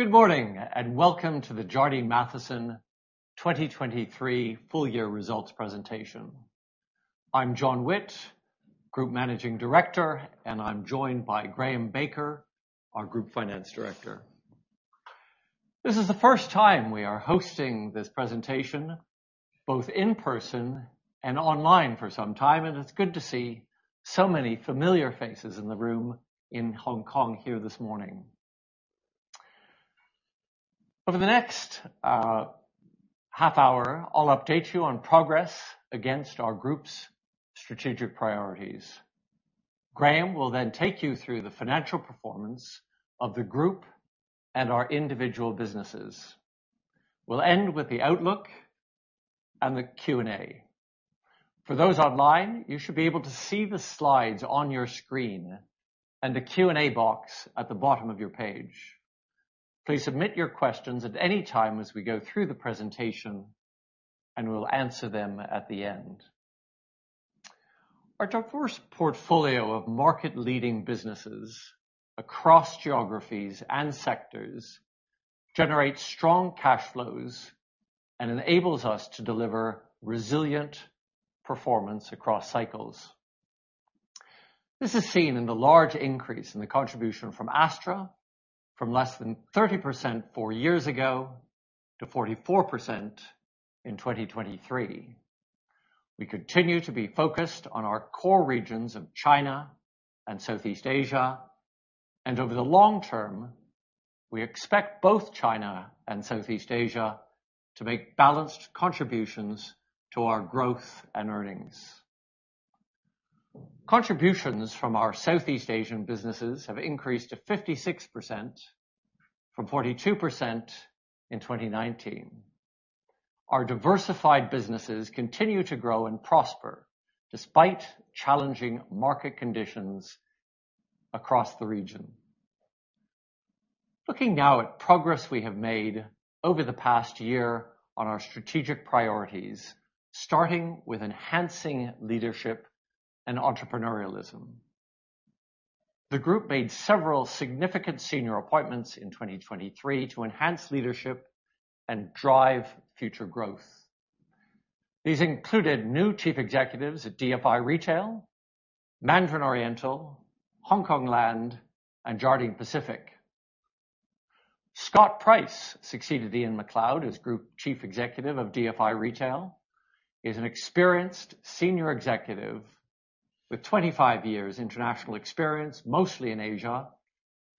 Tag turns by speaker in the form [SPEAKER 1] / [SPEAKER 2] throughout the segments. [SPEAKER 1] Good morning, and welcome to the Jardine Matheson 2023 full year results presentation. I'm John Witt, Group Managing Director, and I'm joined by Graham Baker, our Group Finance Director. This is the first time we are hosting this presentation, both in person and online for some time, and it's good to see so many familiar faces in the room in Hong Kong here this morning. Over the next half hour, I'll update you on progress against our group's strategic priorities. Graham will then take you through the financial performance of the group and our individual businesses. We'll end with the outlook and the Q&A. For those online, you should be able to see the slides on your screen and the Q&A box at the bottom of your page. Please submit your questions at any time as we go through the presentation, and we'll answer them at the end. Our diverse portfolio of market-leading businesses across geographies and sectors generates strong cash flows and enables us to deliver resilient performance across cycles. This is seen in the large increase in the contribution from Astra, from less than 30% four years ago to 44% in 2023. We continue to be focused on our core regions of China and Southeast Asia, and over the long term, we expect both China and Southeast Asia to make balanced contributions to our growth and earnings. Contributions from our Southeast Asian businesses have increased to 56% from 42% in 2019. Our diversified businesses continue to grow and prosper, despite challenging market conditions across the region. Looking now at progress we have made over the past year on our strategic priorities, starting with enhancing leadership and entrepreneurialism. The group made several significant senior appointments in 2023 to enhance leadership and drive future growth. These included new chief executives at DFI Retail, Mandarin Oriental, Hongkong Land, and Jardine Pacific. Scott Price succeeded Ian McLeod as Group Chief Executive of DFI Retail. He's an experienced senior executive with 25 years international experience, mostly in Asia,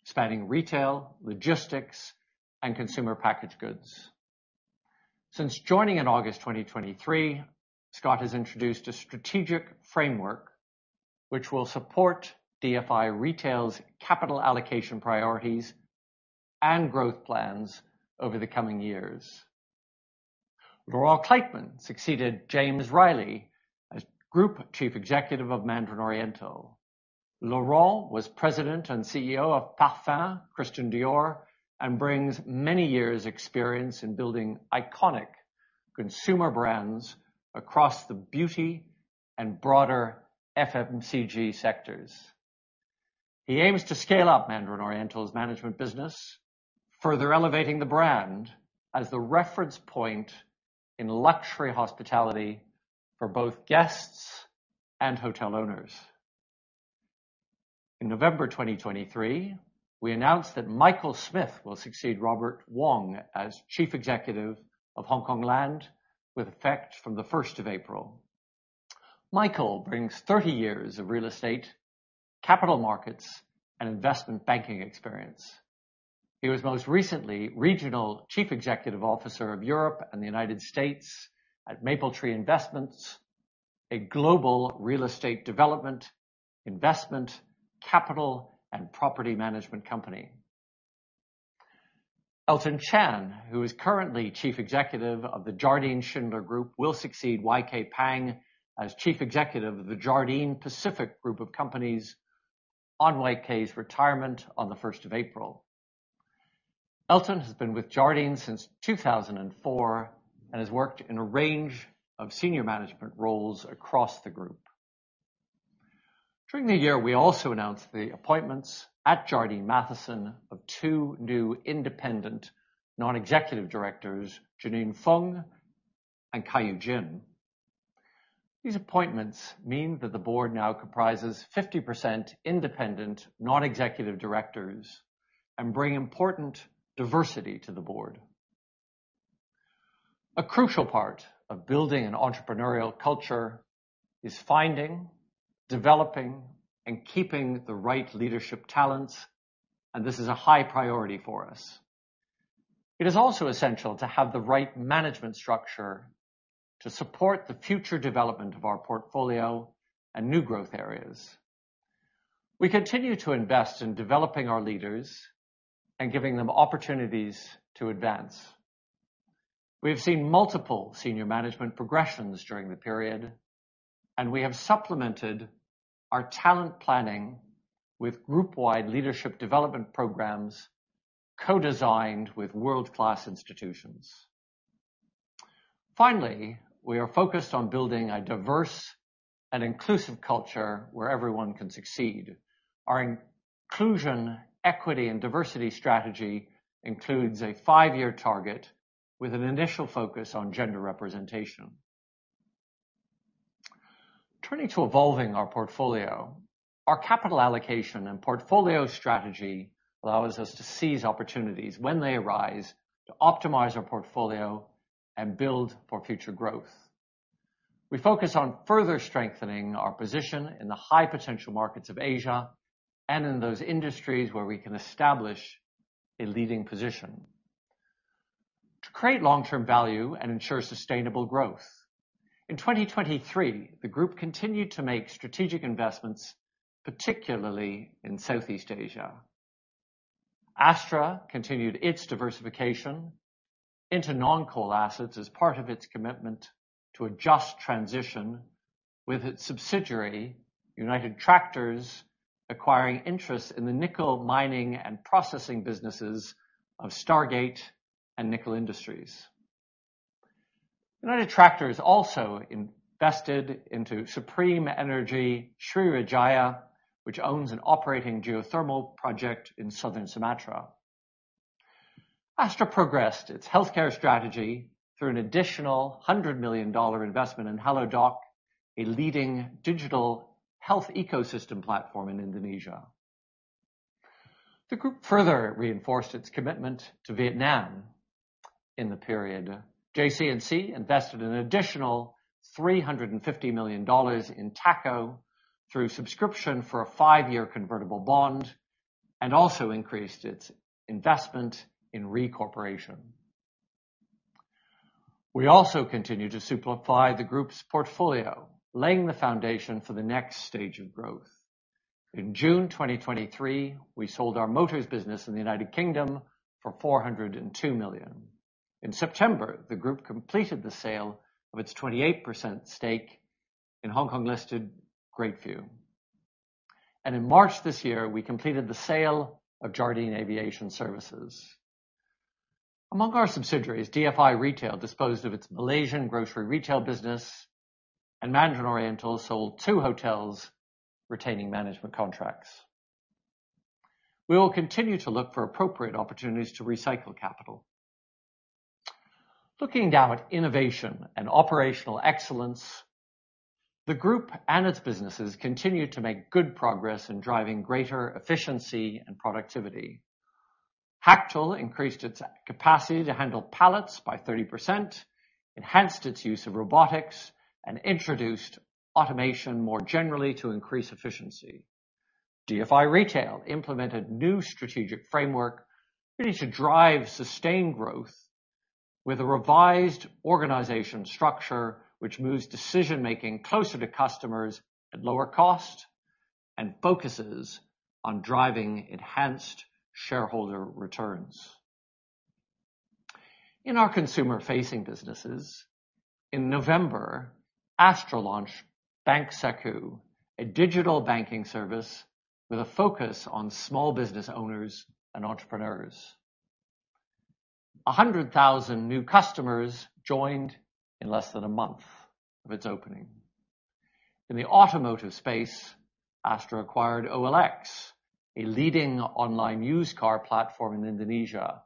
[SPEAKER 1] spanning retail, logistics, and consumer packaged goods. Since joining in August 2023, Scott has introduced a strategic framework which will support DFI Retail's capital allocation priorities and growth plans over the coming years. Laurent Kleitman succeeded James Riley as Group Chief Executive of Mandarin Oriental. Laurent was President and CEO of Parfums Christian Dior and brings many years experience in building iconic consumer brands across the beauty and broader FMCG sectors. He aims to scale up Mandarin Oriental's management business, further elevating the brand as the reference point in luxury hospitality for both guests and hotel owners. In November 2023, we announced that Michael Smith will succeed Robert Wong as Chief Executive of Hongkong Land, with effect from the first of April. Michael brings 30 years of real estate, capital markets, and investment banking experience. He was most recently regional Chief Executive Officer of Europe and the United States at Mapletree Investments, a global real estate development, investment, capital, and property management company. Elton Chan, who is currently Chief Executive of the Jardine Schindler Group, will succeed Y.K. Pang as Chief Executive of the Jardine Pacific Group of companies on Y.K.'s retirement on the first of April. Elton has been with Jardine since 2004 and has worked in a range of senior management roles across the group. During the year, we also announced the appointments at Jardine Matheson of two new independent non-executive directors, Janine Feng and Keyu Jin. These appointments mean that the board now comprises 50% independent non-executive directors and bring important diversity to the board. A crucial part of building an entrepreneurial culture is finding, developing, and keeping the right leadership talents, and this is a high priority for us. It is also essential to have the right management structure to support the future development of our portfolio and new growth areas. We continue to invest in developing our leaders and giving them opportunities to advance. We have seen multiple senior management progressions during the period, and we have supplemented our talent planning with group-wide leadership development programs, co-designed with world-class institutions.... Finally, we are focused on building a diverse and inclusive culture where everyone can succeed. Our inclusion, equity, and diversity strategy includes a five-year target with an initial focus on gender representation. Turning to evolving our portfolio, our capital allocation and portfolio strategy allows us to seize opportunities when they arise, to optimize our portfolio and build for future growth. We focus on further strengthening our position in the high potential markets of Asia and in those industries where we can establish a leading position. To create long-term value and ensure sustainable growth, in 2023, the group continued to make strategic investments, particularly in Southeast Asia. Astra continued its diversification into non-coal assets as part of its commitment to a just transition with its subsidiary, United Tractors, acquiring interest in the nickel mining and processing businesses of Stargate and Nickel Industries. United Tractors also invested into Supreme Energy Sriwijaya, which owns an operating geothermal project in Southern Sumatra. Astra progressed its healthcare strategy through an additional $100 million investment in Halodoc, a leading digital health ecosystem platform in Indonesia. The group further reinforced its commitment to Vietnam in the period. JC&C invested an additional $350 million in THACO through subscription for a 5-year convertible bond, and also increased its investment in REE Corporation. We also continue to simplify the group's portfolio, laying the foundation for the next stage of growth. In June 2023, we sold our motors business in the United Kingdom for $402 million. In September, the group completed the sale of its 28% stake in Hong Kong-listed Greatview. In March this year, we completed the sale of Jardine Aviation Services. Among our subsidiaries, DFI Retail disposed of its Malaysian grocery retail business, and Mandarin Oriental sold 2 hotels, retaining management contracts. We will continue to look for appropriate opportunities to recycle capital. Looking now at innovation and operational excellence, the group and its businesses continued to make good progress in driving greater efficiency and productivity. Hactl increased its capacity to handle pallets by 30%, enhanced its use of robotics, and introduced automation more generally to increase efficiency. DFI Retail implemented new strategic framework needed to drive sustained growth with a revised organization structure, which moves decision-making closer to customers at lower cost and focuses on driving enhanced shareholder returns. In our consumer-facing businesses, in November, Astra launched Bank Saqu, a digital banking service with a focus on small business owners and entrepreneurs. 100,000 new customers joined in less than a month of its opening. In the automotive space, Astra acquired OLX, a leading online used car platform in Indonesia.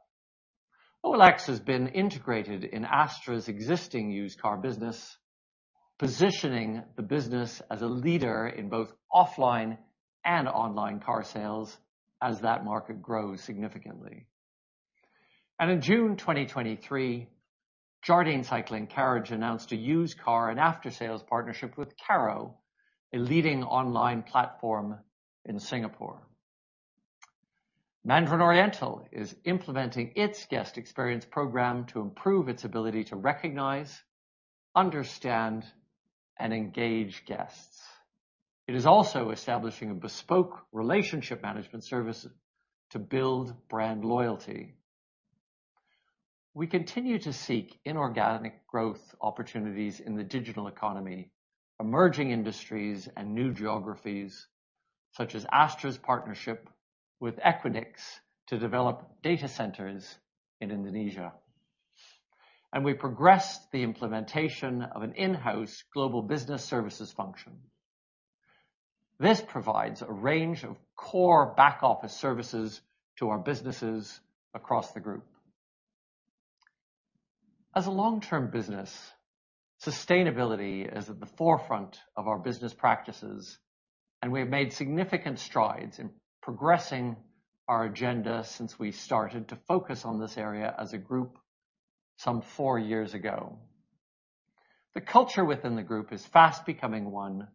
[SPEAKER 1] OLX has been integrated in Astra's existing used car business, positioning the business as a leader in both offline and online car sales as that market grows significantly. In June 2023, Jardine Cycle & Carriage announced a used car and after-sales partnership with Carro, a leading online platform in Singapore. Mandarin Oriental is implementing its guest experience program to improve its ability to recognize, understand, and engage guests. It is also establishing a bespoke relationship management service to build brand loyalty. We continue to seek inorganic growth opportunities in the digital economy, emerging industries, and new geographies, such as Astra's partnership with Equinix to develop data centers in Indonesia. We progressed the implementation of an in-house global business services function. This provides a range of core back office services to our businesses across the group. As a long-term business, sustainability is at the forefront of our business practices, and we have made significant strides in progressing our agenda since we started to focus on this area as a group some four years ago. The culture within the group is fast becoming one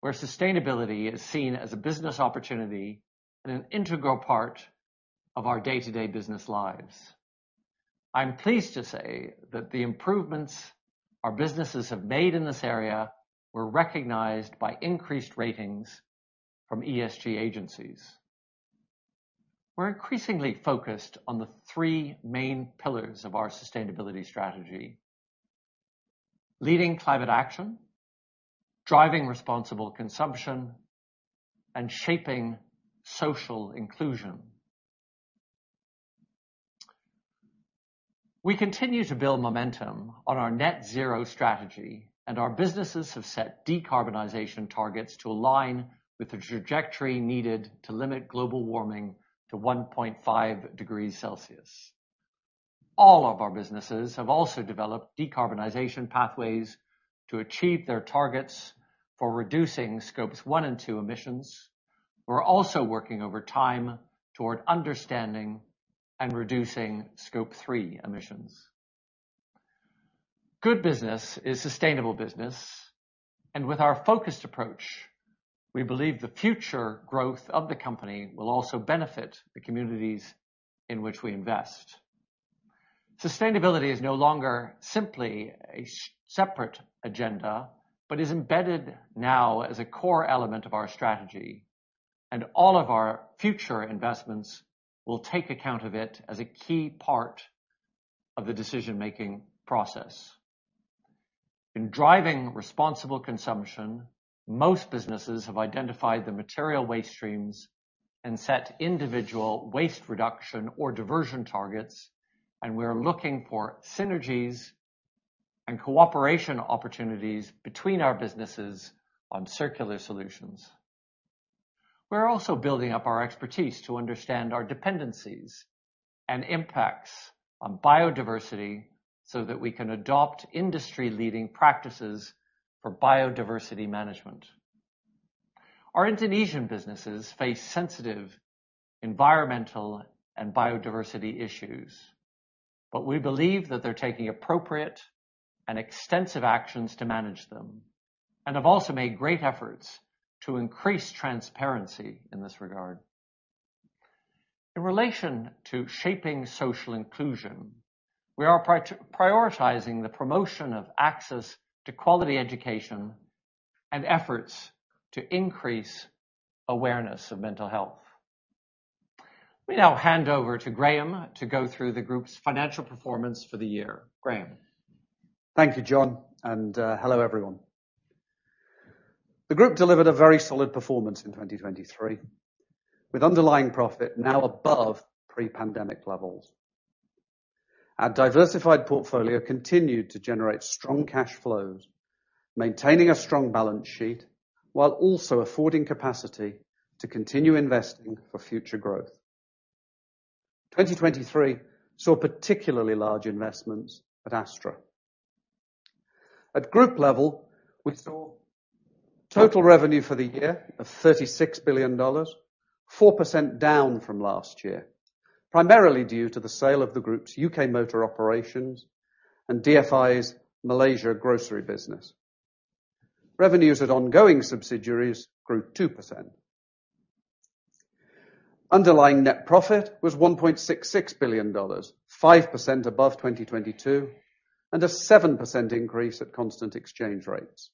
[SPEAKER 1] where sustainability is seen as a business opportunity and an integral part of our day-to-day business lives. I'm pleased to say that the improvements our businesses have made in this area were recognized by increased ratings from ESG agencies. We're increasingly focused on the three main pillars of our sustainability strategy: leading climate action, driving responsible consumption, and shaping social inclusion.... We continue to build momentum on our net zero strategy, and our businesses have set decarbonization targets to align with the trajectory needed to limit global warming to 1.5 degrees Celsius. All of our businesses have also developed decarbonization pathways to achieve their targets for reducing Scope 1 and 2 emissions. We're also working over time toward understanding and reducing Scope 3 emissions. Good business is sustainable business, and with our focused approach, we believe the future growth of the company will also benefit the communities in which we invest. Sustainability is no longer simply a separate agenda, but is embedded now as a core element of our strategy, and all of our future investments will take account of it as a key part of the decision-making process. In driving responsible consumption, most businesses have identified the material waste streams and set individual waste reduction or diversion targets, and we are looking for synergies and cooperation opportunities between our businesses on circular solutions. We're also building up our expertise to understand our dependencies and impacts on biodiversity, so that we can adopt industry-leading practices for biodiversity management. Our Indonesian businesses face sensitive environmental and biodiversity issues, but we believe that they're taking appropriate and extensive actions to manage them, and have also made great efforts to increase transparency in this regard. In relation to shaping social inclusion, we are prioritizing the promotion of access to quality education and efforts to increase awareness of mental health. We now hand over to Graham to go through the group's financial performance for the year. Graham?
[SPEAKER 2] Thank you, John, and hello, everyone. The group delivered a very solid performance in 2023, with underlying profit now above pre-pandemic levels. Our diversified portfolio continued to generate strong cash flows, maintaining a strong balance sheet, while also affording capacity to continue investing for future growth. 2023 saw particularly large investments at Astra. At group level, we saw total revenue for the year of $36 billion, 4% down from last year, primarily due to the sale of the group's UK motor operations and DFI's Malaysia grocery business. Revenues at ongoing subsidiaries grew 2%. Underlying net profit was $1.66 billion, 5% above 2022, and a 7% increase at constant exchange rates.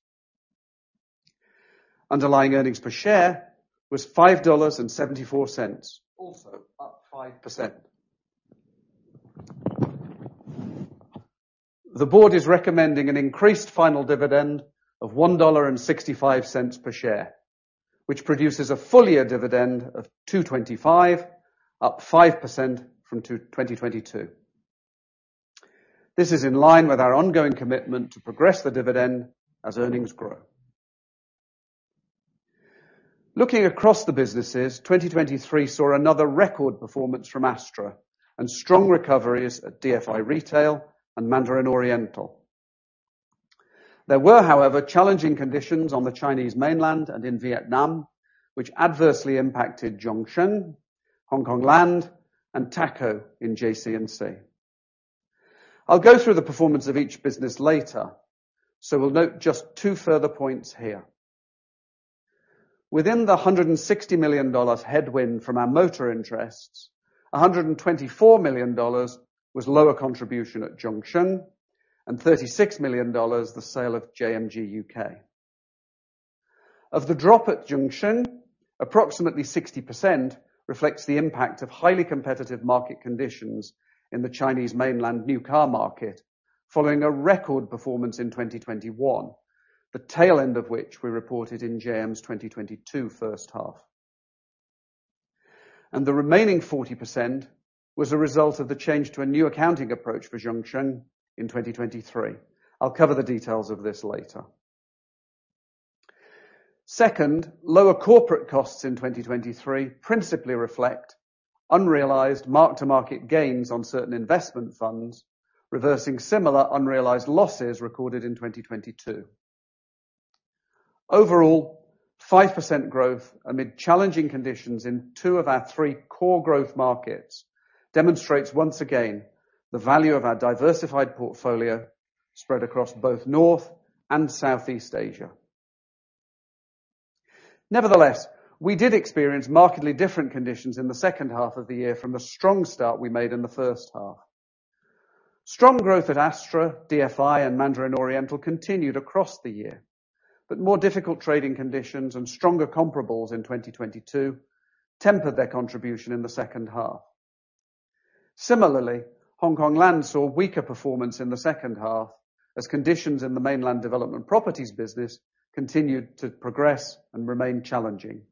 [SPEAKER 2] Underlying earnings per share was $5.74, also up 5%. The board is recommending an increased final dividend of $1.65 per share, which produces a full-year dividend of $2.25, up 5% from 2022. This is in line with our ongoing commitment to progress the dividend as earnings grow. Looking across the businesses, 2023 saw another record performance from Astra and strong recoveries at DFI Retail and Mandarin Oriental. There were, however, challenging conditions on the Chinese mainland and in Vietnam, which adversely impacted Zhongsheng, Hongkong Land, and THACO in JC&C. I'll go through the performance of each business later, so we'll note just two further points here. Within the $160 million headwind from our motor interests, $124 million was lower contribution at Zhongsheng and $36 million, the sale of JMG UK. Of the drop at Zhongsheng, approximately 60% reflects the impact of highly competitive market conditions in the Chinese mainland new car market, following a record performance in 2021, the tail end of which we reported in JM's 2022 first half. The remaining 40% was a result of the change to a new accounting approach for Zhongsheng in 2023. I'll cover the details of this later. Second, lower corporate costs in 2023 principally reflect unrealized mark-to-market gains on certain investment funds, reversing similar unrealized losses recorded in 2022. Overall, 5% growth amid challenging conditions in two of our three core growth markets demonstrates, once again, the value of our diversified portfolio spread across both North and Southeast Asia. Nevertheless, we did experience markedly different conditions in the second half of the year from the strong start we made in the first half. Strong growth at Astra, DFI and Mandarin Oriental continued across the year, but more difficult trading conditions and stronger comparables in 2022 tempered their contribution in the second half. Similarly, Hongkong Land saw weaker performance in the second half as conditions in the mainland development properties business continued to progress and remain challenging.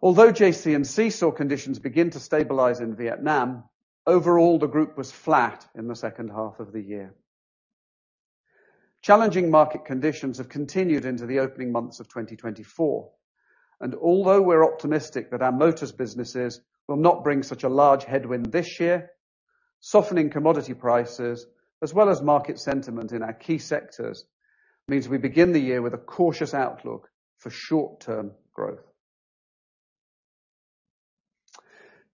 [SPEAKER 2] Although JC&C saw conditions begin to stabilize in Vietnam, overall, the group was flat in the second half of the year. Challenging market conditions have continued into the opening months of 2024, and although we're optimistic that our motors businesses will not bring such a large headwind this year, softening commodity prices as well as market sentiment in our key sectors means we begin the year with a cautious outlook for short-term growth.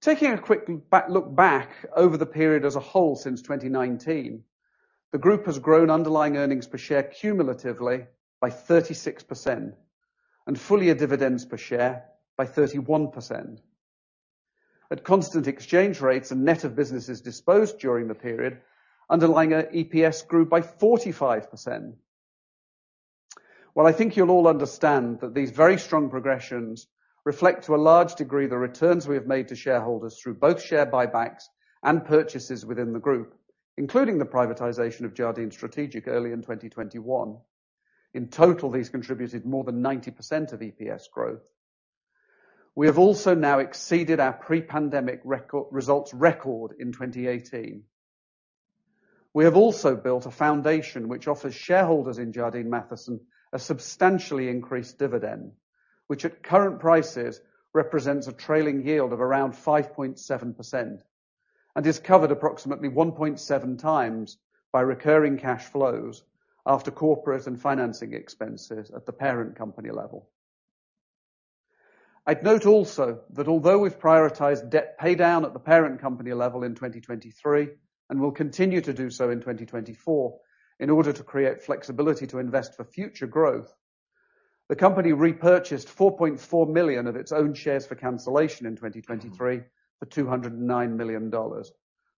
[SPEAKER 2] Taking a quick look back over the period as a whole since 2019, the group has grown underlying earnings per share cumulatively by 36% and full year dividends per share by 31%. At constant exchange rates and net of businesses disposed during the period, underlying EPS grew by 45%. Well, I think you'll all understand that these very strong progressions reflect, to a large degree, the returns we have made to shareholders through both share buybacks and purchases within the group, including the privatization of Jardine Strategic early in 2021. In total, these contributed more than 90% of EPS growth. We have also now exceeded our pre-pandemic record results record in 2018. We have also built a foundation which offers shareholders in Jardine Matheson a substantially increased dividend, which at current prices, represents a trailing yield of around 5.7%, and is covered approximately 1.7 times by recurring cash flows after corporate and financing expenses at the parent company level. I'd note also that although we've prioritized debt pay down at the parent company level in 2023, and will continue to do so in 2024 in order to create flexibility to invest for future growth, the company repurchased 4.4 million of its own shares for cancellation in 2023 for $209 million,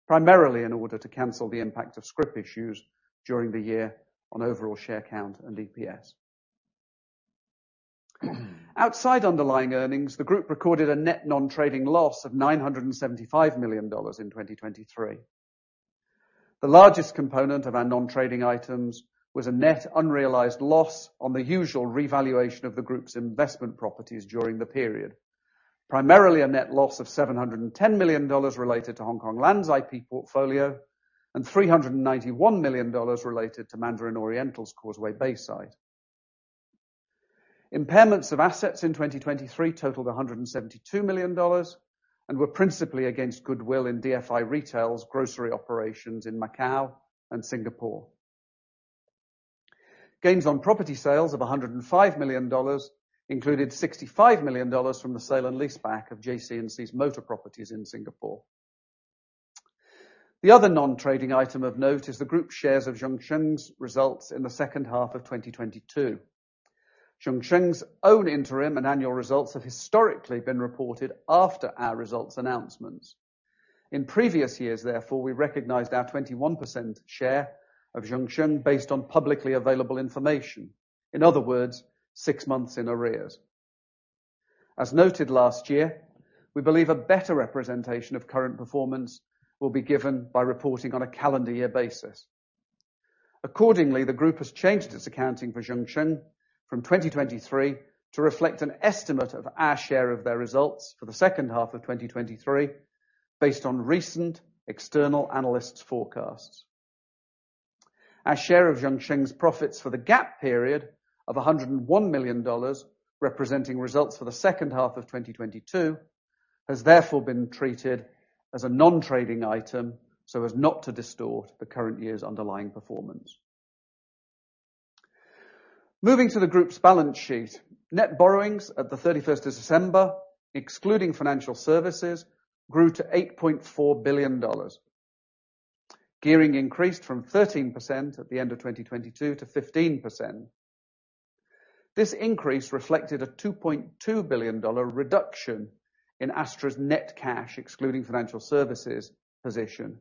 [SPEAKER 2] primarily in order to cancel the impact of scrip issues during the year on overall share count and EPS. Outside underlying earnings, the group recorded a net non-trading loss of $975 million in 2023. The largest component of our non-trading items was a net unrealized loss on the usual revaluation of the group's investment properties during the period. Primarily, a net loss of $710 million related to Hongkong Land's IP portfolio and $391 million related to Mandarin Oriental's Causeway Bay site. Impairments of assets in 2023 totaled $172 million and were principally against goodwill in DFI Retail's grocery operations in Macau and Singapore. Gains on property sales of $105 million included $65 million from the sale and leaseback of JC&C's motor properties in Singapore. The other non-trading item of note is the group shares of Zhongsheng's results in the second half of 2022. Zhongsheng's own interim and annual results have historically been reported after our results announcements. In previous years, therefore, we recognized our 21% share of Zhongsheng based on publicly available information. In other words, six months in arrears. As noted last year, we believe a better representation of current performance will be given by reporting on a calendar year basis. Accordingly, the group has changed its accounting for Zhongsheng from 2023 to reflect an estimate of our share of their results for the second half of 2023, based on recent external analysts' forecasts. Our share of Zhongsheng's profits for the gap period of $101 million, representing results for the second half of 2022, has therefore been treated as a non-trading item so as not to distort the current year's underlying performance. Moving to the group's balance sheet. Net borrowings at the thirty-first of December, excluding financial services, grew to $8.4 billion. Gearing increased from 13% at the end of 2022 to 15%. This increase reflected a $2.2 billion reduction in Astra's net cash, excluding financial services position,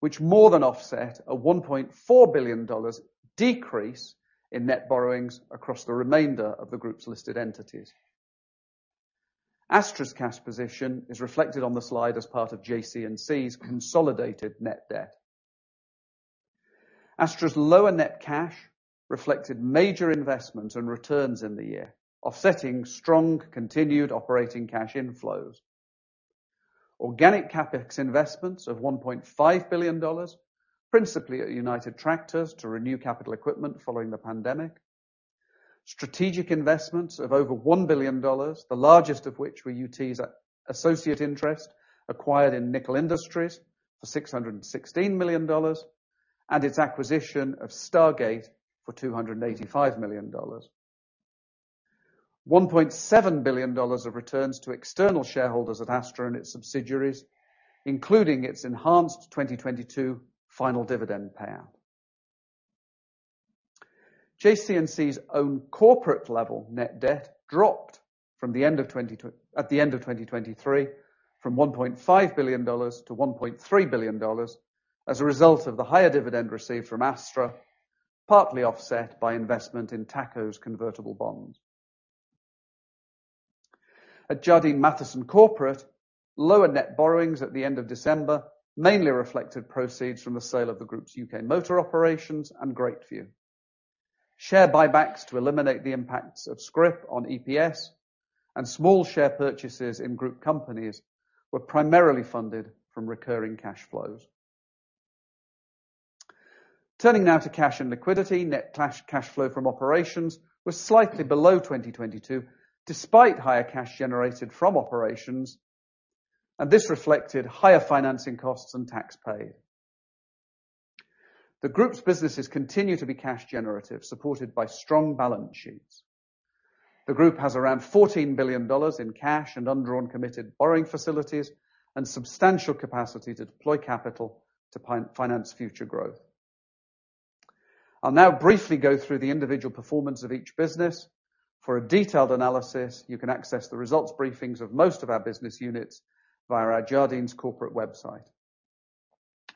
[SPEAKER 2] which more than offset a $1.4 billion decrease in net borrowings across the remainder of the group's listed entities. Astra's cash position is reflected on the slide as part of JC&C's consolidated net debt. Astra's lower net cash reflected major investments and returns in the year, offsetting strong continued operating cash inflows. Organic CapEx investments of $1.5 billion, principally at United Tractors, to renew capital equipment following the pandemic. Strategic investments of over $1 billion, the largest of which were UT's associate interest, acquired in Nickel Industries for $616 million, and its acquisition of Stargate for $285 million. $1.7 billion of returns to external shareholders at Astra and its subsidiaries, including its enhanced 2022 final dividend payout. JC&C's own corporate level net debt dropped from the end of 2023, from $1.5 billion to $1.3 billion, as a result of the higher dividend received from Astra, partly offset by investment in THACO's convertible bonds. At Jardine Matheson Corporate, lower net borrowings at the end of December mainly reflected proceeds from the sale of the Group's UK motor operations and Greatview. Share buybacks to eliminate the impacts of scrip on EPS and small share purchases in group companies were primarily funded from recurring cash flows. Turning now to cash and liquidity. Net cash, cash flow from operations was slightly below 2022, despite higher cash generated from operations, and this reflected higher financing costs and tax paid. The group's businesses continue to be cash generative, supported by strong balance sheets. The group has around $14 billion in cash and undrawn committed borrowing facilities and substantial capacity to deploy capital to finance future growth. I'll now briefly go through the individual performance of each business. For a detailed analysis, you can access the results briefings of most of our business units via our Jardine's corporate website.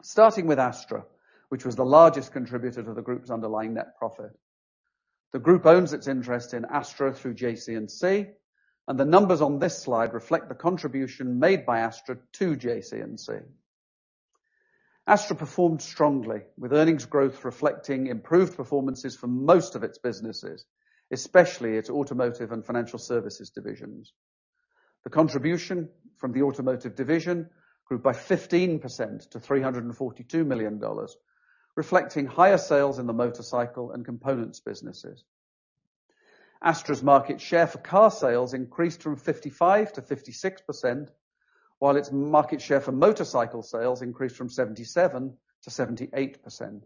[SPEAKER 2] Starting with Astra, which was the largest contributor to the group's underlying net profit. The group owns its interest in Astra through JC&C, and the numbers on this slide reflect the contribution made by Astra to JC&C. Astra performed strongly, with earnings growth reflecting improved performances for most of its businesses, especially its automotive and financial services divisions. The contribution from the automotive division grew by 15% to $342 million, reflecting higher sales in the motorcycle and components businesses. Astra's market share for car sales increased from 55%-56%, while its market share for motorcycle sales increased from 77%-78%.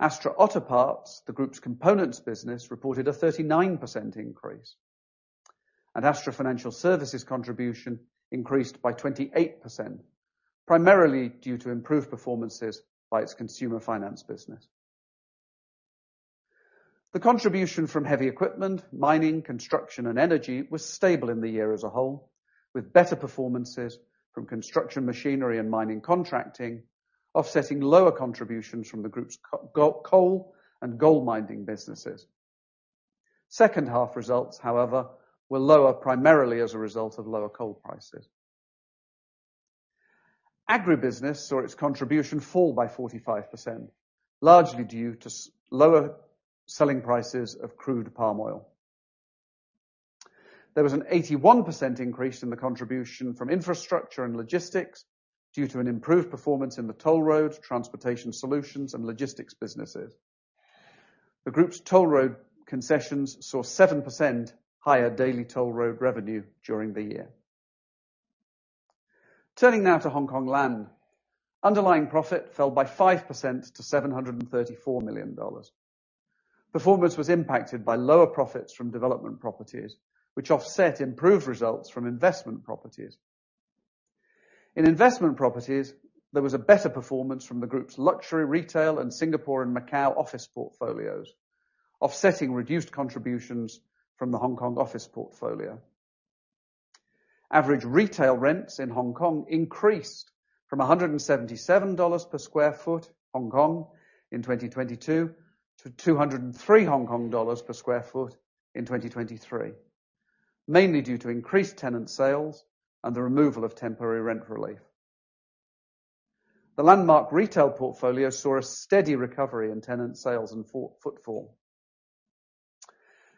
[SPEAKER 2] Astra Otoparts, the group's components business, reported a 39% increase, and Astra Financial Services contribution increased by 28%, primarily due to improved performances by its consumer finance business. The contribution from heavy equipment, mining, construction, and energy was stable in the year as a whole, with better performances from construction machinery and mining contracting, offsetting lower contributions from the group's coal and gold mining businesses. Second half results, however, were lower, primarily as a result of lower coal prices. Agribusiness saw its contribution fall by 45%, largely due to lower selling prices of crude palm oil. There was an 81% increase in the contribution from infrastructure and logistics due to an improved performance in the toll road, transportation solutions, and logistics businesses. The group's toll road concessions saw 7% higher daily toll road revenue during the year. Turning now to Hongkong Land. Underlying profit fell by 5% to $734 million. Performance was impacted by lower profits from development properties, which offset improved results from investment properties. In investment properties, there was a better performance from the group's luxury retail in Singapore and Macau office portfolios, offsetting reduced contributions from the Hong Kong office portfolio. Average retail rents in Hong Kong increased from 177 dollars per sq ft in 2022 to 203 Hong Kong dollars per sq ft in 2023, mainly due to increased tenant sales and the removal of temporary rent relief. The Landmark retail portfolio saw a steady recovery in tenant sales and footfall.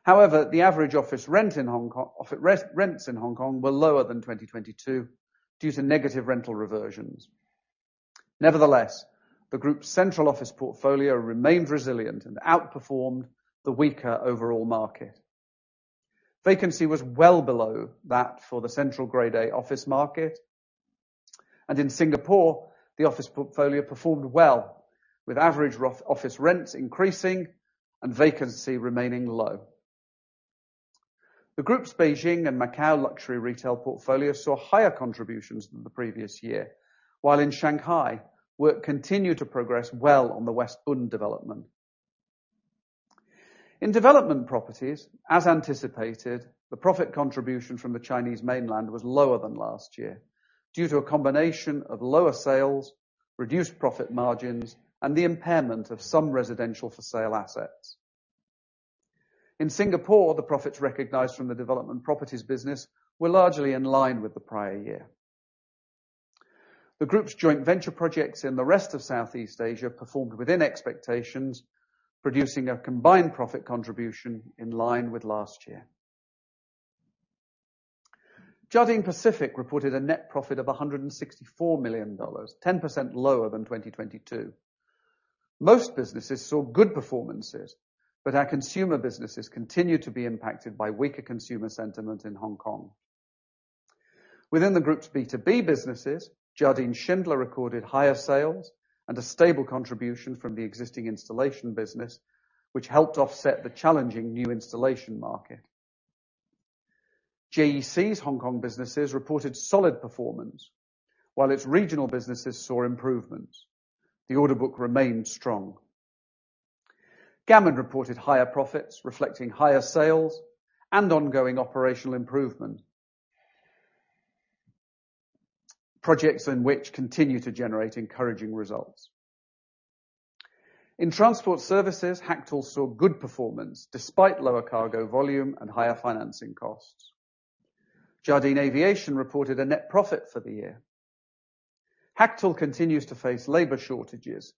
[SPEAKER 2] However, the average office rents in Hong Kong were lower than 2022 due to negative rental reversions. Nevertheless, the group's Central office portfolio remained resilient and outperformed the weaker overall market. Vacancy was well below that for the Central Grade A office market, and in Singapore, the office portfolio performed well, with average office rents increasing and vacancy remaining low. The group's Beijing and Macau luxury retail portfolio saw higher contributions than the previous year, while in Shanghai, work continued to progress well on the West Bund development. In development properties, as anticipated, the profit contribution from the Chinese mainland was lower than last year due to a combination of lower sales, reduced profit margins, and the impairment of some residential-for-sale assets. In Singapore, the profits recognized from the development properties business were largely in line with the prior year. The group's joint venture projects in the rest of Southeast Asia performed within expectations, producing a combined profit contribution in line with last year. Jardine Pacific reported a net profit of $164 million, 10% lower than 2022. Most businesses saw good performances, but our consumer businesses continued to be impacted by weaker consumer sentiment in Hong Kong. Within the group's B2B businesses, Jardine Schindler recorded higher sales and a stable contribution from the existing installation business, which helped offset the challenging new installation market. JEC's Hong Kong businesses reported solid performance, while its regional businesses saw improvements. The order book remained strong. Gammon reported higher profits, reflecting higher sales and ongoing operational improvement.... projects in which continue to generate encouraging results. In transport services, Hactl saw good performance despite lower cargo volume and higher financing costs. Jardine Aviation reported a net profit for the year. Hactl continues to face labor shortages.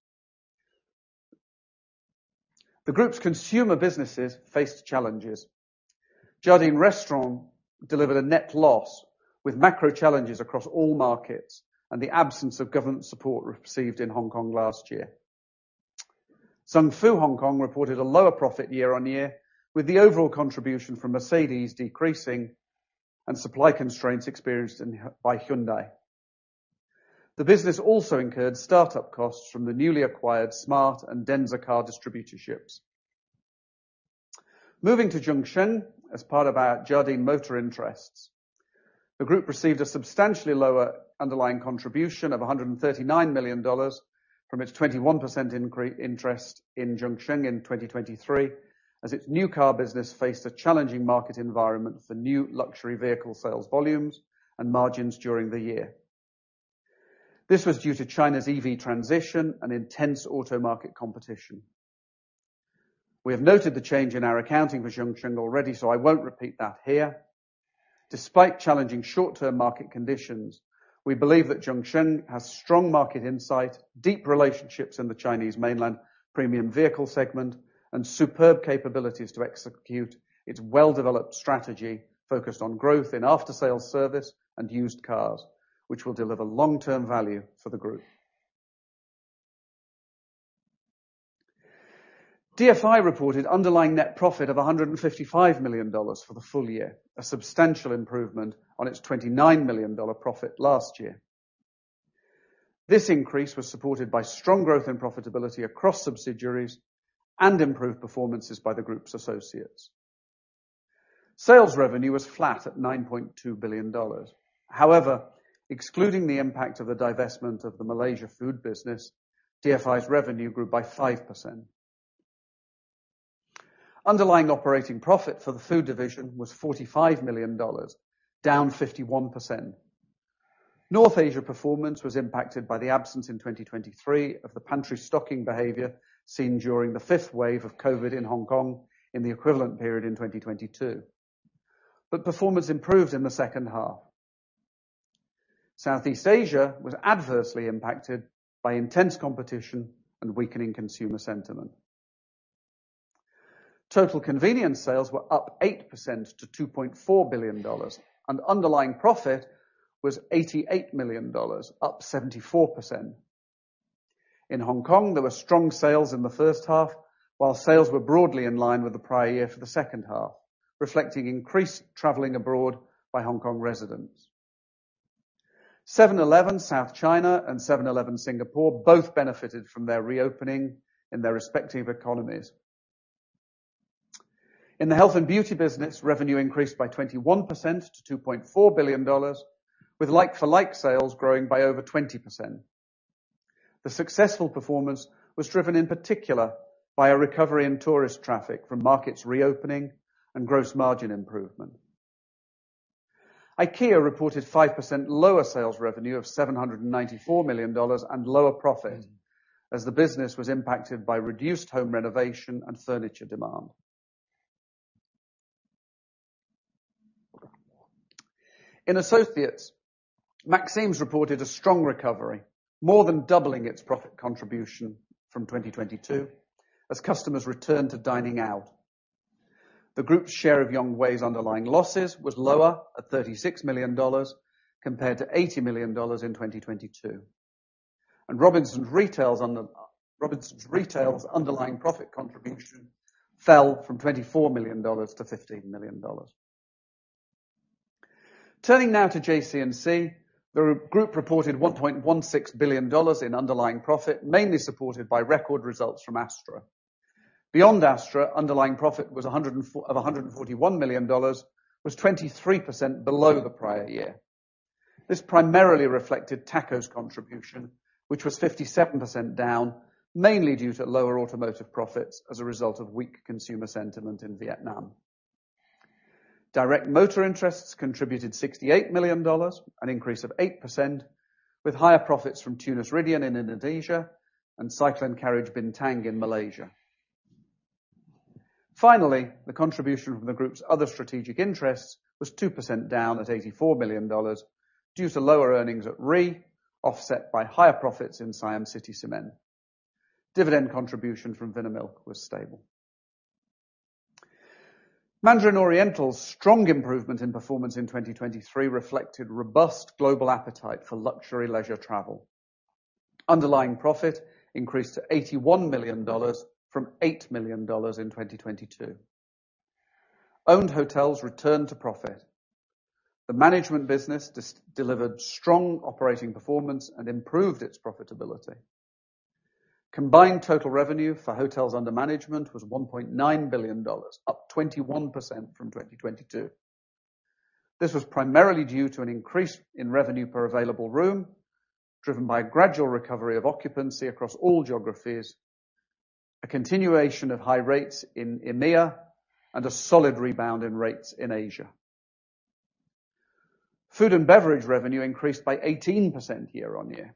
[SPEAKER 2] The group's consumer businesses faced challenges. Jardine Restaurant delivered a net loss with macro challenges across all markets and the absence of government support received in Hong Kong last year. Zung Fu Hong Kong reported a lower profit year-on-year, with the overall contribution from Mercedes decreasing and supply constraints experienced in, by Hyundai. The business also incurred startup costs from the newly acquired Smart and Denza car distributorships. Moving to Zhongsheng, as part of our Jardine Motors interests, the group received a substantially lower underlying contribution of $139 million from its 21% interest in Zhongsheng in 2023, as its new car business faced a challenging market environment for new luxury vehicle sales volumes and margins during the year. This was due to China's EV transition and intense auto market competition. We have noted the change in our accounting for Zhongsheng already, so I won't repeat that here. Despite challenging short-term market conditions, we believe that Zhongsheng has strong market insight, deep relationships in the Chinese mainland premium vehicle segment, and superb capabilities to execute its well-developed strategy focused on growth in after-sales service and used cars, which will deliver long-term value for the group. DFI reported underlying net profit of $155 million for the full year, a substantial improvement on its $29 million profit last year. This increase was supported by strong growth in profitability across subsidiaries and improved performances by the group's associates. Sales revenue was flat at $9.2 billion. However, excluding the impact of the divestment of the Malaysia food business, DFI's revenue grew by 5%. Underlying operating profit for the food division was $45 million, down 51%. North Asia performance was impacted by the absence in 2023 of the pantry stocking behavior seen during the fifth wave of COVID in Hong Kong in the equivalent period in 2022. But performance improved in the second half. Southeast Asia was adversely impacted by intense competition and weakening consumer sentiment. Total convenience sales were up 8% to $2.4 billion, and underlying profit was $88 million, up 74%. In Hong Kong, there were strong sales in the first half, while sales were broadly in line with the prior year for the second half, reflecting increased traveling abroad by Hong Kong residents. 7-Eleven South China and 7-Eleven Singapore both benefited from their reopening in their respective economies. In the health and beauty business, revenue increased by 21% to $2.4 billion, with like-for-like sales growing by over 20%. The successful performance was driven in particular by a recovery in tourist traffic from markets reopening and gross margin improvement. IKEA reported 5% lower sales revenue of $794 million, and lower profit as the business was impacted by reduced home renovation and furniture demand. In associates, Maxim's reported a strong recovery, more than doubling its profit contribution from 2022 as customers returned to dining out. The group's share of Yonghui's underlying losses was lower at $36 million, compared to $80 million in 2022, and Robinsons Retail's underlying profit contribution fell from $24 million to $15 million. Turning now to JC&C, the group reported $1.16 billion in underlying profit, mainly supported by record results from Astra. Beyond Astra, underlying profit was $104 million of $141 million, was 23% below the prior year. This primarily reflected THACO's contribution, which was 57% down, mainly due to lower automotive profits as a result of weak consumer sentiment in Vietnam. Direct motor interests contributed $68 million, an increase of 8%, with higher profits from Tunas Ridean in Indonesia and Cycle & Carriage Bintang in Malaysia. Finally, the contribution from the group's other strategic interests was 2% down at $84 million due to lower earnings at REE, offset by higher profits in Siam City Cement. Dividend contribution from Vinamilk was stable. Mandarin Oriental's strong improvement in performance in 2023 reflected robust global appetite for luxury leisure travel. Underlying profit increased to $81 million from $8 million in 2022. Owned hotels returned to profit. The management business delivered strong operating performance and improved its profitability. Combined total revenue for hotels under management was $1.9 billion, up 21% from 2022. This was primarily due to an increase in revenue per available room, driven by a gradual recovery of occupancy across all geographies, a continuation of high rates in EMEA and a solid rebound in rates in Asia. Food and beverage revenue increased by 18% year-over-year.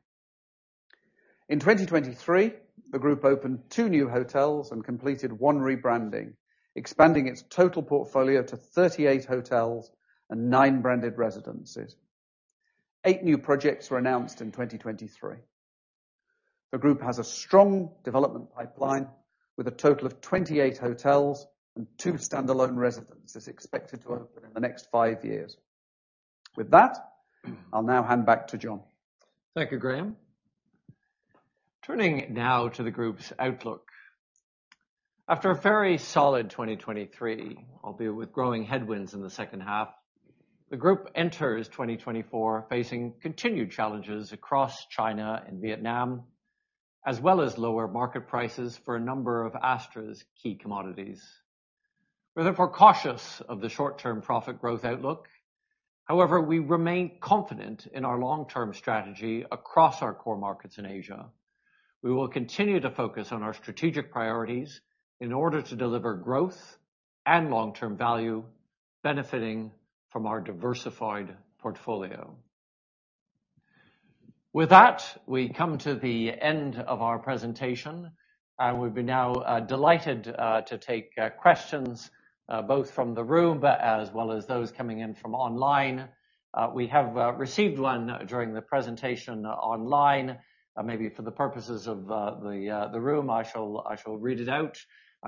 [SPEAKER 2] In 2023, the group opened 2 new hotels and completed 1 rebranding, expanding its total portfolio to 38 hotels and 9 branded residences. 8 new projects were announced in 2023. The group has a strong development pipeline, with a total of 28 hotels and 2 standalone residences expected to open in the next 5 years. With that, I'll now hand back to John.
[SPEAKER 1] Thank you, Graham. Turning now to the group's outlook. After a very solid 2023, albeit with growing headwinds in the second half, the group enters 2024 facing continued challenges across China and Vietnam, as well as lower market prices for a number of Astra's key commodities. We're therefore cautious of the short-term profit growth outlook. However, we remain confident in our long-term strategy across our core markets in Asia. We will continue to focus on our strategic priorities in order to deliver growth and long-term value, benefiting from our diversified portfolio. With that, we come to the end of our presentation, and we've been now delighted to take questions both from the room, but as well as those coming in from online. We have received one during the presentation online. Maybe for the purposes of the room, I shall read it out.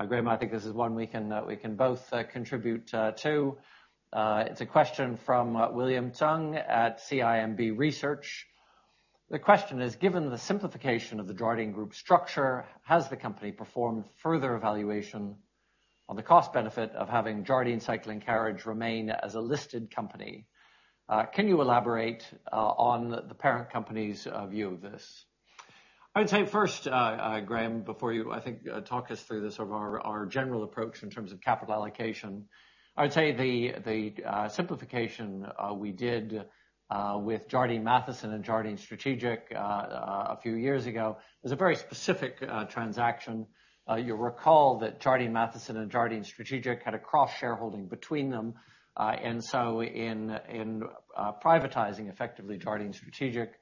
[SPEAKER 1] Graham, I think this is one we can both contribute to. It's a question from William Chung at CIMB Research. The question is: Given the simplification of the Jardine group structure, has the company performed further evaluation on the cost benefit of having Jardine Cycle & Carriage remain as a listed company? Can you elaborate on the parent company's view of this? I would say first, Graham, before you, I think talk us through the sort of our general approach in terms of capital allocation. I'd say the simplification we did with Jardine Matheson and Jardine Strategic a few years ago was a very specific transaction. You'll recall that Jardine Matheson and Jardine Strategic had a cross-shareholding between them. And so in privatizing, effectively, Jardine Strategic,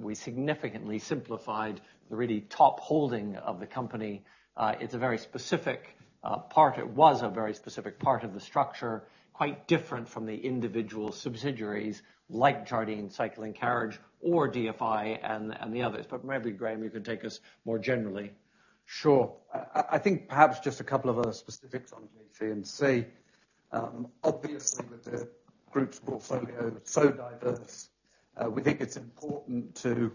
[SPEAKER 1] we significantly simplified the really top holding of the company. It was a very specific part of the structure, quite different from the individual subsidiaries, like Jardine Cycle & Carriage or DFI and the others. But maybe, Graham, you can take us more generally.
[SPEAKER 2] Sure. I think perhaps just a couple of other specifics on JC&C. Obviously, with the group's portfolio so diverse, we think it's important to...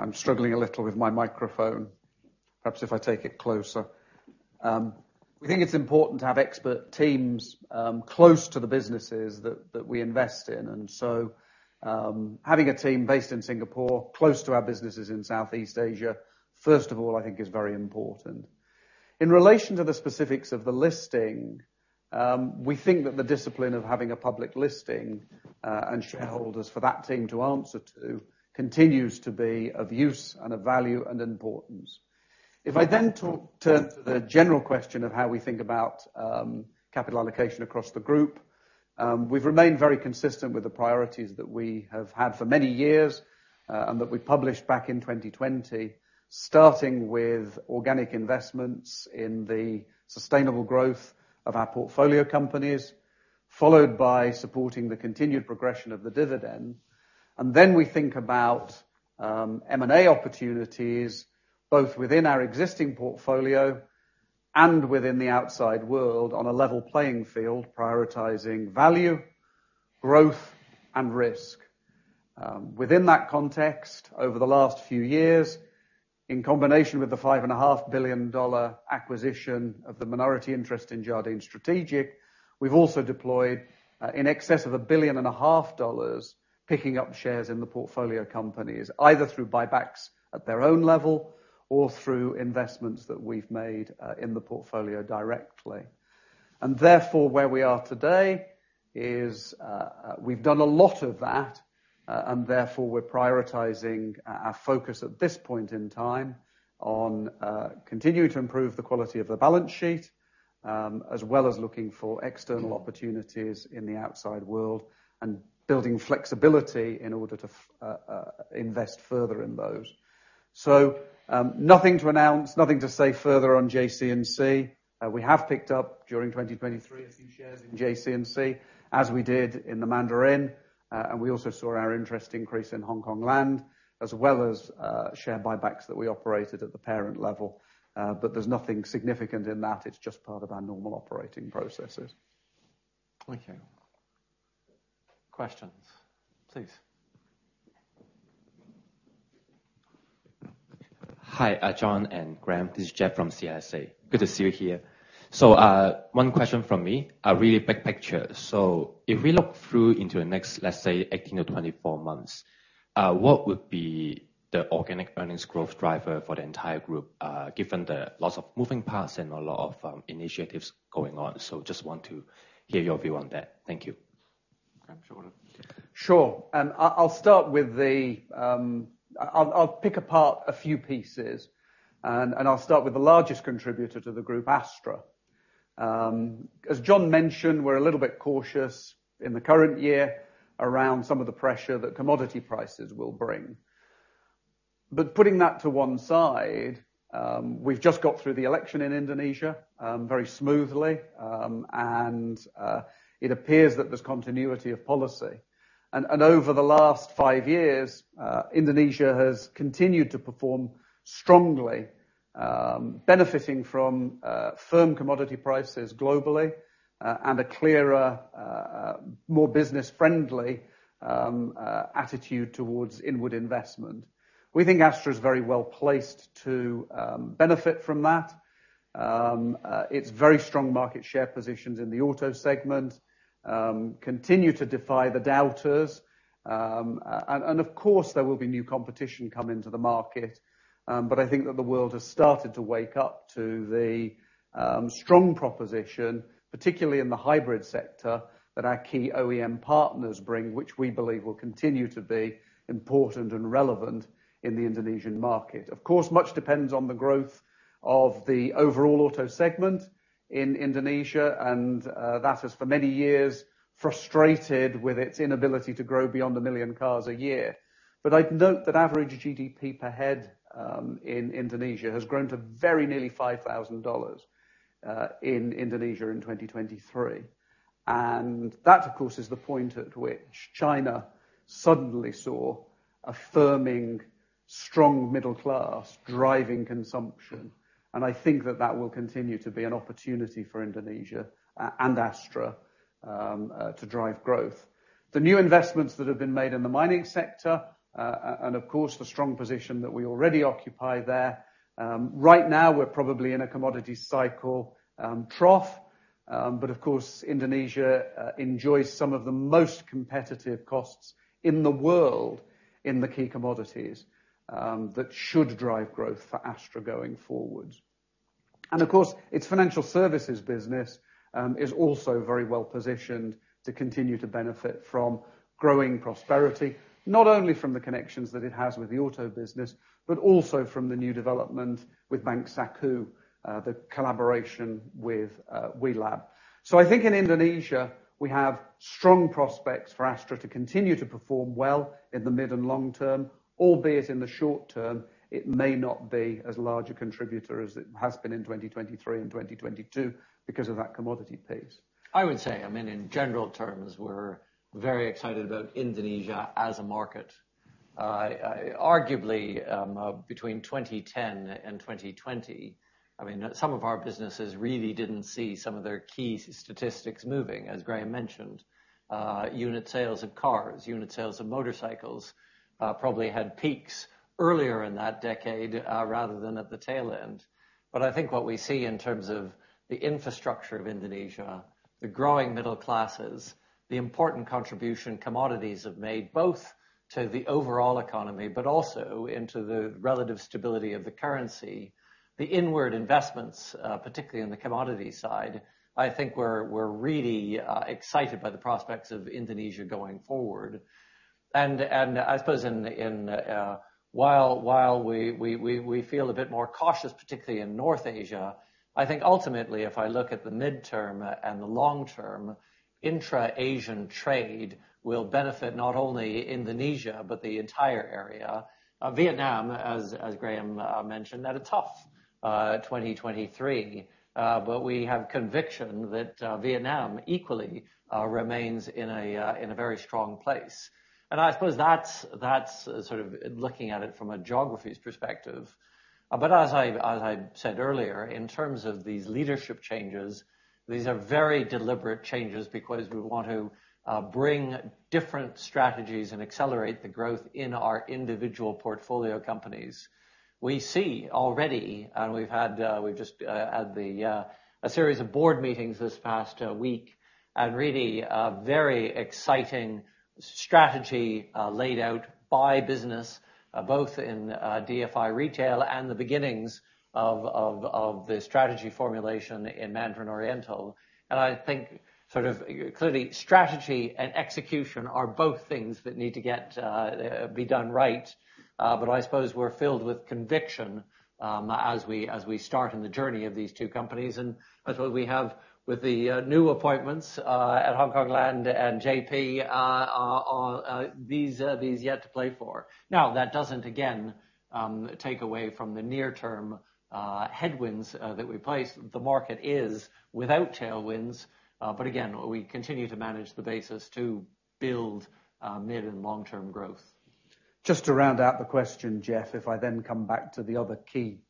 [SPEAKER 2] I'm struggling a little with my microphone. Perhaps if I take it closer. We think it's important to have expert teams close to the businesses that we invest in, and so, having a team based in Singapore, close to our businesses in Southeast Asia, first of all, I think is very important. In relation to the specifics of the listing, we think that the discipline of having a public listing and shareholders for that team to answer to continues to be of use and of value and importance. If I then talk to the general question of how we think about, capital allocation across the group, we've remained very consistent with the priorities that we have had for many years, and that we published back in 2020, starting with organic investments in the sustainable growth of our portfolio companies, followed by supporting the continued progression of the dividend. And then we think about, M&A opportunities, both within our existing portfolio and within the outside world on a level playing field, prioritizing value, growth, and risk. Within that context, over the last few years, in combination with the $5.5 billion acquisition of the minority interest in Jardine Strategic, we've also deployed in excess of $1.5 billion, picking up shares in the portfolio companies, either through buybacks at their own level or through investments that we've made in the portfolio directly. And therefore, where we are today is, we've done a lot of that, and therefore, we're prioritizing our focus at this point in time on continuing to improve the quality of the balance sheet, as well as looking for external opportunities in the outside world and building flexibility in order to invest further in those. Nothing to announce, nothing to say further on JC&C. We have picked up, during 2023, a few shares in JC&C, as we did in the Mandarin, and we also saw our interest increase in Hong Kong Land, as well as share buybacks that we operated at the parent level. But there's nothing significant in that. It's just part of our normal operating processes.
[SPEAKER 1] Thank you. Questions, please.
[SPEAKER 3] Hi, John and Graham. This is Jeff from CLSA. Good to see you here. So, one question from me, a really big picture. So if we look through into the next, let's say, 18-24 months, what would be the organic earnings growth driver for the entire group, given the lots of moving parts and a lot of initiatives going on? So just want to hear your view on that. Thank you....
[SPEAKER 2] Sure. I'll pick apart a few pieces, and I'll start with the largest contributor to the group, Astra. As John mentioned, we're a little bit cautious in the current year around some of the pressure that commodity prices will bring. But putting that to one side, we've just got through the election in Indonesia, very smoothly, and it appears that there's continuity of policy. And over the last five years, Indonesia has continued to perform strongly, benefiting from firm commodity prices globally, and a clearer, more business-friendly attitude towards inward investment. We think Astra is very well placed to benefit from that. Its very strong market share positions in the auto segment continue to defy the doubters. Of course, there will be new competition come into the market, but I think that the world has started to wake up to the strong proposition, particularly in the hybrid sector, that our key OEM partners bring, which we believe will continue to be important and relevant in the Indonesian market. Of course, much depends on the growth of the overall auto segment in Indonesia, and that has, for many years, frustrated with its inability to grow beyond 1 million cars a year. But I'd note that average GDP per head in Indonesia has grown to very nearly $5,000 in Indonesia in 2023. That, of course, is the point at which China suddenly saw a firming, strong middle class driving consumption, and I think that that will continue to be an opportunity for Indonesia, and Astra, to drive growth. The new investments that have been made in the mining sector, and of course, the strong position that we already occupy there, right now, we're probably in a commodity cycle, trough. But of course, Indonesia, enjoys some of the most competitive costs in the world in the key commodities, that should drive growth for Astra going forward. And of course, its financial services business is also very well positioned to continue to benefit from growing prosperity, not only from the connections that it has with the auto business, but also from the new development with Bank Saqu, the collaboration with WeLab. So I think in Indonesia, we have strong prospects for Astra to continue to perform well in the mid and long term, albeit in the short term, it may not be as large a contributor as it has been in 2023 and 2022 because of that commodity pace.
[SPEAKER 1] I would say, I mean, in general terms, we're very excited about Indonesia as a market. Arguably, between 2010 and 2020, I mean, some of our businesses really didn't see some of their key statistics moving, as Graham mentioned. Unit sales of cars, unit sales of motorcycles, probably had peaks earlier in that decade, rather than at the tail end. But I think what we see in terms of the infrastructure of Indonesia, the growing middle classes, the important contribution commodities have made, both to the overall economy, but also into the relative stability of the currency, the inward investments, particularly in the commodity side, I think we're really excited by the prospects of Indonesia going forward. And I suppose, while we feel a bit more cautious, particularly in North Asia, I think ultimately, if I look at the midterm and the long term, intra-Asian trade will benefit not only Indonesia, but the entire area. Vietnam, as Graham mentioned, had a tough 2023, but we have conviction that Vietnam equally remains in a very strong place. And I suppose that's sort of looking at it from a geographies perspective. But as I said earlier, in terms of these leadership changes, these are very deliberate changes because we want to bring different strategies and accelerate the growth in our individual portfolio companies. We see already, and we've just had a series of board meetings this past week, and really a very exciting strategy laid out by business both in DFI Retail and the beginnings of the strategy formulation in Mandarin Oriental. And I think sort of clearly, strategy and execution are both things that need to be done right, but I suppose we're filled with conviction as we start on the journey of these two companies. And I suppose we have, with the new appointments at Hongkong Land and JP, these yet to play for. Now, that doesn't, again, take away from the near-term headwinds that we face. The market is without tailwinds, but again, we continue to manage the basis to build mid- and long-term growth.
[SPEAKER 2] Just to round out the question, Jeff, if I then come back to the other key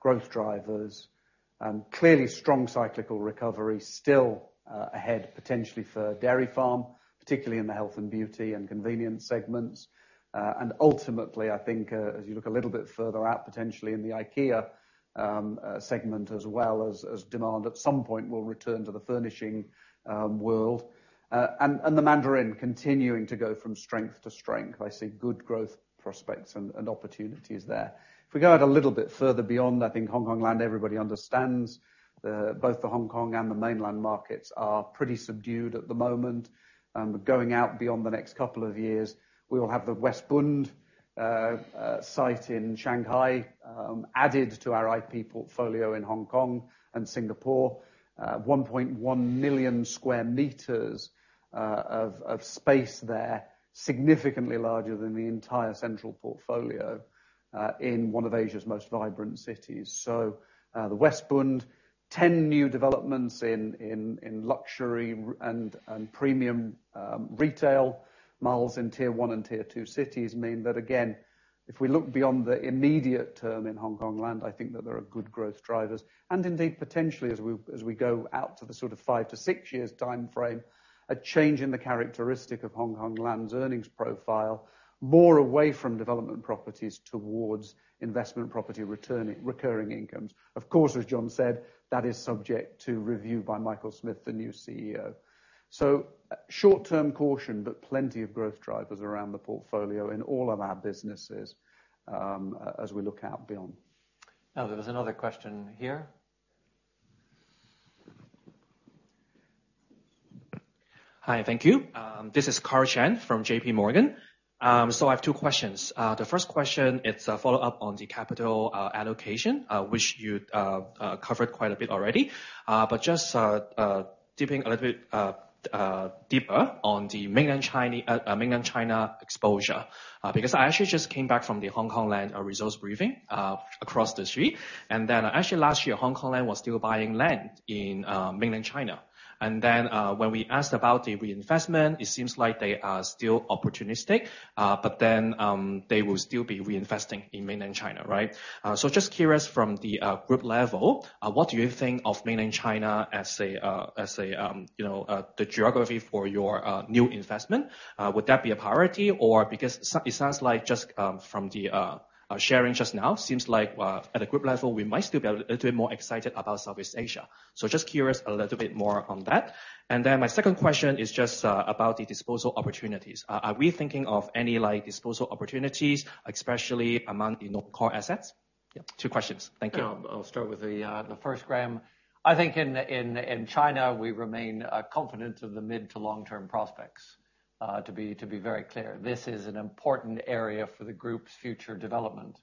[SPEAKER 2] growth drivers, clearly strong cyclical recovery still ahead, potentially for Dairy Farm, particularly in the health and beauty and convenience segments. And ultimately, I think, as you look a little bit further out, potentially in the IKEA segment, as well as, as demand, at some point, will return to the furnishing world. And the Mandarin continuing to go from strength to strength. I see good growth prospects and opportunities there. If we go out a little bit further beyond, I think Hongkong Land, everybody understands, both the Hong Kong and the mainland markets are pretty subdued at the moment. Going out beyond the next couple of years, we will have the West Bund site in Shanghai added to our IP portfolio in Hongkong and Singapore, 1.1 million square meters of space there—significantly larger than the entire Central portfolio in one of Asia's most vibrant cities. So, the West Bund, ten new developments in luxury and premium retail malls in tier one and tier two cities mean that, again, if we look beyond the immediate term in Hong Kong Land, I think that there are good growth drivers. And indeed, potentially, as we go out to the sort of 5-6 years time frame, a change in the characteristic of Hong Kong Land's earnings profile, more away from development properties towards investment property returning recurring incomes. Of course, as John said, that is subject to review by Michael Smith, the new CEO. So, short-term caution, but plenty of growth drivers around the portfolio in all of our businesses, as we look out beyond.
[SPEAKER 1] Now, there was another question here.
[SPEAKER 4] Hi, thank you. This is Karl Chan from J.P. Morgan. So I have two questions. The first question, it's a follow-up on the capital allocation, which you covered quite a bit already. But just dipping a little bit deeper on the mainland China exposure. Because I actually just came back from the Hongkong Land results briefing, across the street. And then, actually last year, Hongkong Land was still buying land in mainland China. And then, when we asked about the reinvestment, it seems like they are still opportunistic, but then they will still be reinvesting in mainland China, right? So just curious from the group level, what do you think of mainland China as a, as a, you know, the geography for your new investment? Would that be a priority or it sounds like just from the sharing just now, seems like at a group level, we might still be a little bit more excited about Southeast Asia. So just curious a little bit more on that. And then my second question is just about the disposal opportunities. Are we thinking of any, like, disposal opportunities, especially among in our core assets? Yeah, two questions. Thank you.
[SPEAKER 1] Yeah. I'll start with the first, Graham. I think in China, we remain confident of the mid to long-term prospects. To be very clear, this is an important area for the group's future development.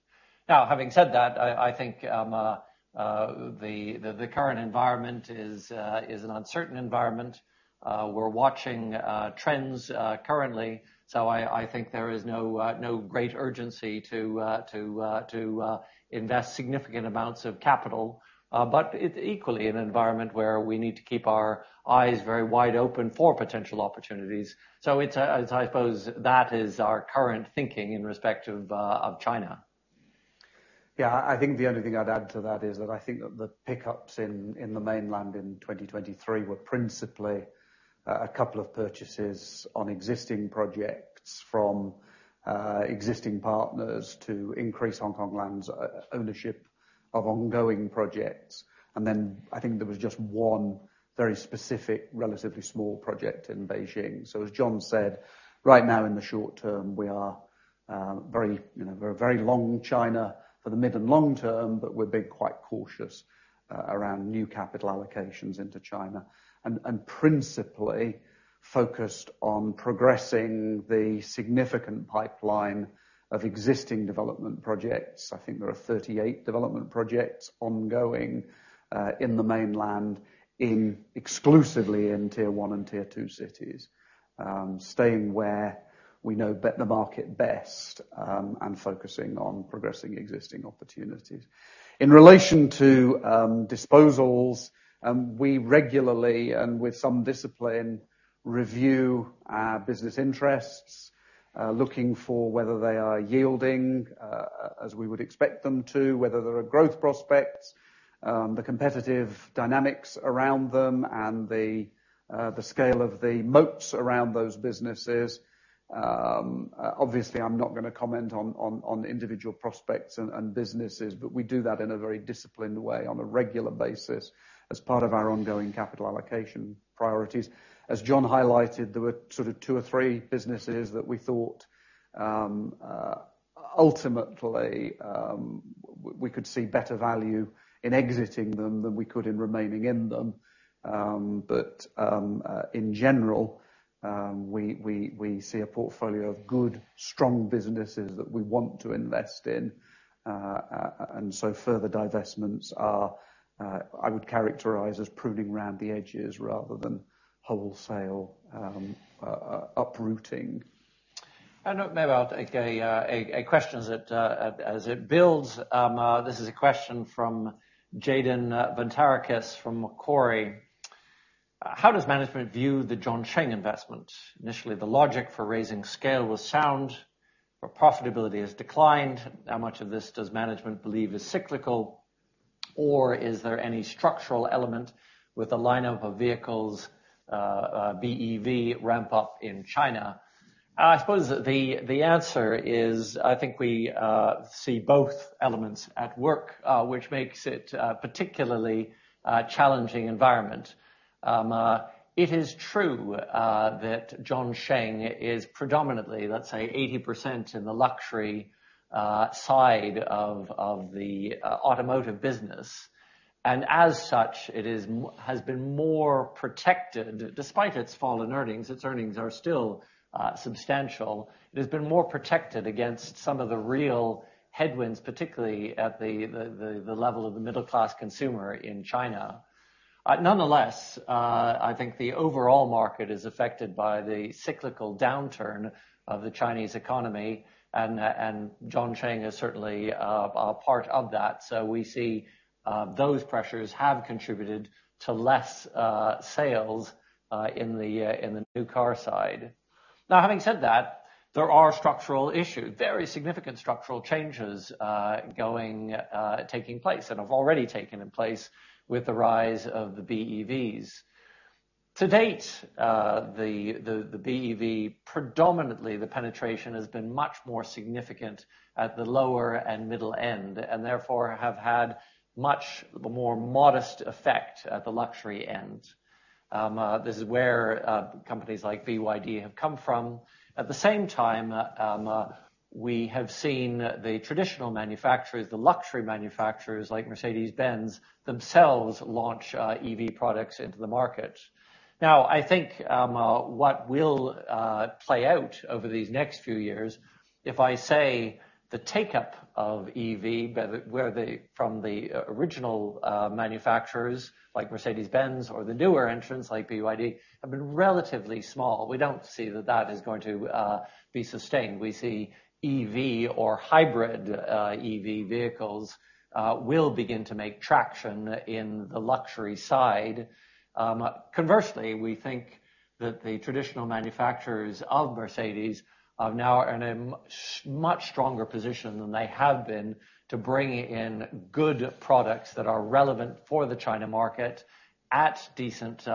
[SPEAKER 1] Now, having said that, I think the current environment is an uncertain environment. We're watching trends currently, so I think there is no great urgency to invest significant amounts of capital, but it's equally an environment where we need to keep our eyes very wide open for potential opportunities. So it's, as I suppose, that is our current thinking in respect of China.
[SPEAKER 2] Yeah, I think the only thing I'd add to that is that I think that the pickups in the mainland in 2023 were principally a couple of purchases on existing projects from existing partners to increase Hongkong Land's ownership of ongoing projects. And then I think there was just one very specific, relatively small project in Beijing. So as John said, right now, in the short term, we are very, you know, we're very long China for the mid and long term, but we're being quite cautious around new capital allocations into China. And principally focused on progressing the significant pipeline of existing development projects. I think there are 38 development projects ongoing, in the mainland, exclusively in tier one and tier two cities, staying where we know the market best, and focusing on progressing existing opportunities. In relation to disposals, we regularly, and with some discipline, review our business interests, looking for whether they are yielding as we would expect them to, whether there are growth prospects, the competitive dynamics around them and the scale of the moats around those businesses. Obviously, I'm not gonna comment on individual prospects and businesses, but we do that in a very disciplined way on a regular basis as part of our ongoing capital allocation priorities. As John highlighted, there were sort of two or three businesses that we thought ultimately we could see better value in exiting them than we could in remaining in them. But in general, we see a portfolio of good, strong businesses that we want to invest in. And so further divestments are, I would characterize, as pruning around the edges rather than wholesale uprooting.
[SPEAKER 1] And maybe I'll take a question as it builds. This is a question from Jayden Vantarakis from Macquarie: How does management view the Zhongsheng investment? Initially, the logic for raising scale was sound, but profitability has declined. How much of this does management believe is cyclical, or is there any structural element with the lineup of vehicles, BEV ramp up in China? I suppose the answer is, I think we see both elements at work, which makes it particularly a challenging environment. It is true that Zhongsheng is predominantly, let's say, 80% in the luxury side of the automotive business, and as such, it has been more protected, despite its fall in earnings, its earnings are still substantial. It has been more protected against some of the real headwinds, particularly at the level of the middle class consumer in China. Nonetheless, I think the overall market is affected by the cyclical downturn of the Chinese economy, and Zhongsheng is certainly a part of that. So we see those pressures have contributed to less sales in the new car side. Now, having said that, there are structural issues, very significant structural changes going taking place and have already taken in place with the rise of the BEVs. To date, the BEV, predominantly, the penetration has been much more significant at the lower and middle end, and therefore have had much more modest effect at the luxury end. This is where companies like BYD have come from. At the same time, we have seen the traditional manufacturers, the luxury manufacturers, like Mercedes-Benz, themselves launch EV products into the market. Now, I think what will play out over these next few years, if I say, the take-up of EV from the original manufacturers, like Mercedes-Benz or the newer entrants, like BYD, have been relatively small. We don't see that that is going to be sustained. We see EV or hybrid EV vehicles will begin to make traction in the luxury side. Conversely, we think that the traditional manufacturers of Mercedes are now in a much stronger position than they have been to bringing in good products that are relevant for the China market at decent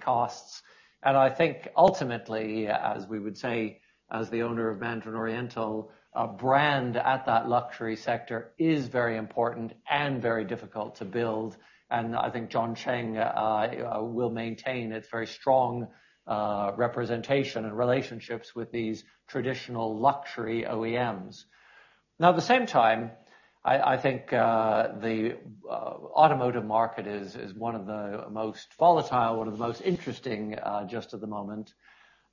[SPEAKER 1] costs. And I think ultimately, as we would say, as the owner of Mandarin Oriental, a brand at that luxury sector is very important and very difficult to build, and I think Zhongsheng will maintain its very strong representation and relationships with these traditional luxury OEMs. Now, at the same time, I think the automotive market is one of the most volatile, one of the most interesting just at the moment,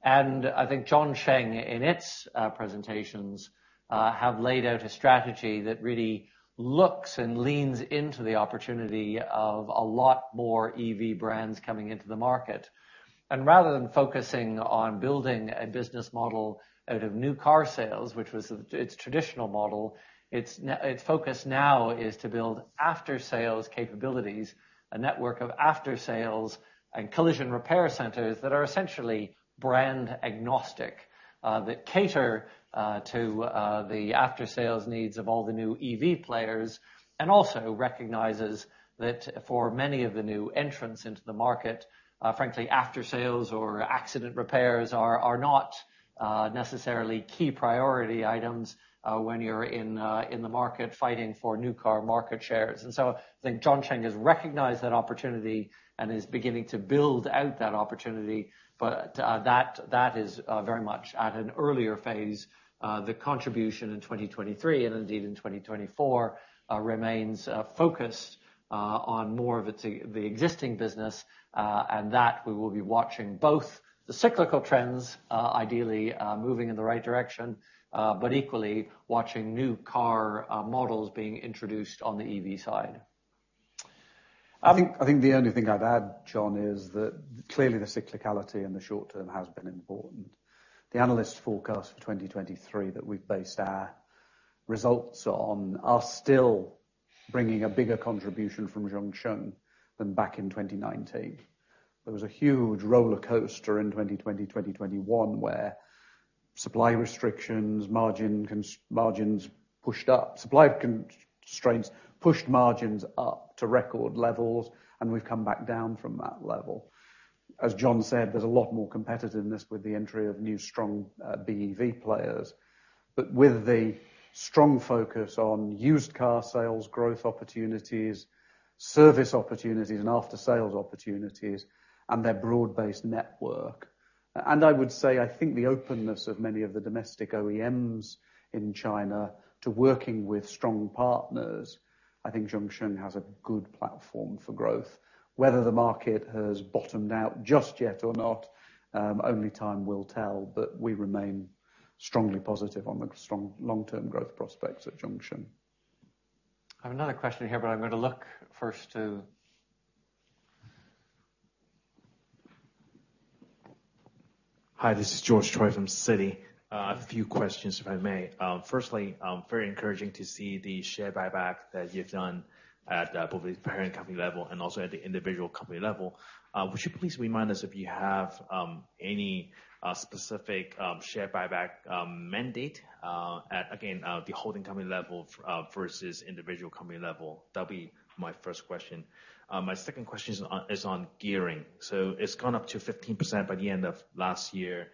[SPEAKER 1] and I think Zhongsheng in its presentations have laid out a strategy that really looks and leans into the opportunity of a lot more EV brands coming into the market. Rather than focusing on building a business model out of new car sales, which was its traditional model, its focus now is to build after-sales capabilities, a network of after-sales and collision repair centers that are essentially brand agnostic, that cater to the after-sales needs of all the new EV players, and also recognizes that for many of the new entrants into the market, frankly, after sales or accident repairs are not necessarily key priority items, when you're in the market fighting for new car market shares. So I think Zhongsheng has recognized that opportunity and is beginning to build out that opportunity, but that is very much at an earlier phase. The contribution in 2023, and indeed in 2024, remains focused on more of its, the existing business, and that we will be watching both the cyclical trends, ideally, moving in the right direction, but equally, watching new car models being introduced on the EV side.
[SPEAKER 2] I think, I think the only thing I'd add, John, is that clearly the cyclicality in the short term has been important. The analyst forecast for 2023, that we've based our results on, are still bringing a bigger contribution from Zhongsheng than back in 2019. There was a huge roller coaster in 2020, 2021, where supply restrictions, margins pushed up. Supply constraints pushed margins up to record levels, and we've come back down from that level. As John said, there's a lot more competitiveness with the entry of new, strong, BEV players. But with the strong focus on used car sales, growth opportunities, service opportunities, and aftersales opportunities, and their broad-based network, and I would say, I think the openness of many of the domestic OEMs in China to working with strong partners, I think Zhongsheng has a good platform for growth. Whether the market has bottomed out just yet or not, only time will tell, but we remain strongly positive on the strong long-term growth prospects at Zhongsheng.
[SPEAKER 1] I have another question here, but I'm going to look first to-
[SPEAKER 5] Hi, this is George Choi from Citi. A few questions, if I may. Firstly, very encouraging to see the share buyback that you've done at the public parent company level and also at the individual company level. Would you please remind us if you have any specific share buyback mandate at, again, the holding company level versus individual company level? That'll be my first question. My second question is on gearing. So it's gone up to 15% by the end of last year.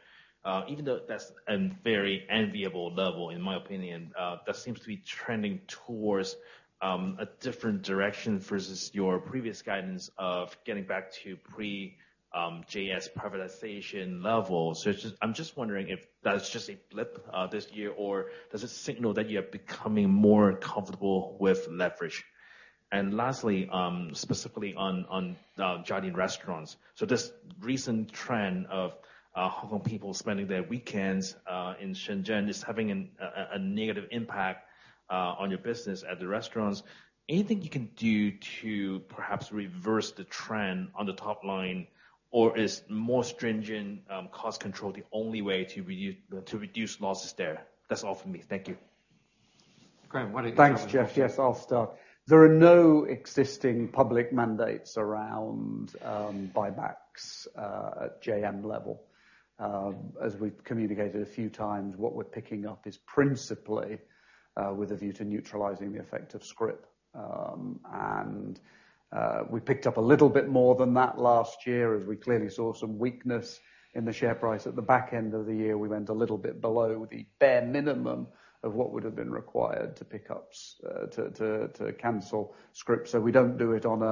[SPEAKER 5] Even though that's a very enviable level, in my opinion, that seems to be trending towards a different direction versus your previous guidance of getting back to pre JS privatization levels. I'm just wondering if that's just a blip this year, or does it signal that you are becoming more comfortable with leverage? And lastly, specifically on Jardine Restaurants. So this recent trend of Hong Kong people spending their weekends in Shenzhen is having a negative impact on your business at the restaurants. Anything you can do to perhaps reverse the trend on the top line? Or is more stringent cost control the only way to reduce losses there? That's all for me. Thank you.
[SPEAKER 1] Graham, why don't you-
[SPEAKER 2] Thanks, Jeff. Yes, I'll start. There are no existing public mandates around buybacks at JM level. As we've communicated a few times, what we're picking up is principally with a view to neutralizing the effect of scrip. And we picked up a little bit more than that last year as we clearly saw some weakness in the share price. At the back end of the year, we went a little bit below the bare minimum of what would have been required to pick up to cancel scrip. So we don't do it on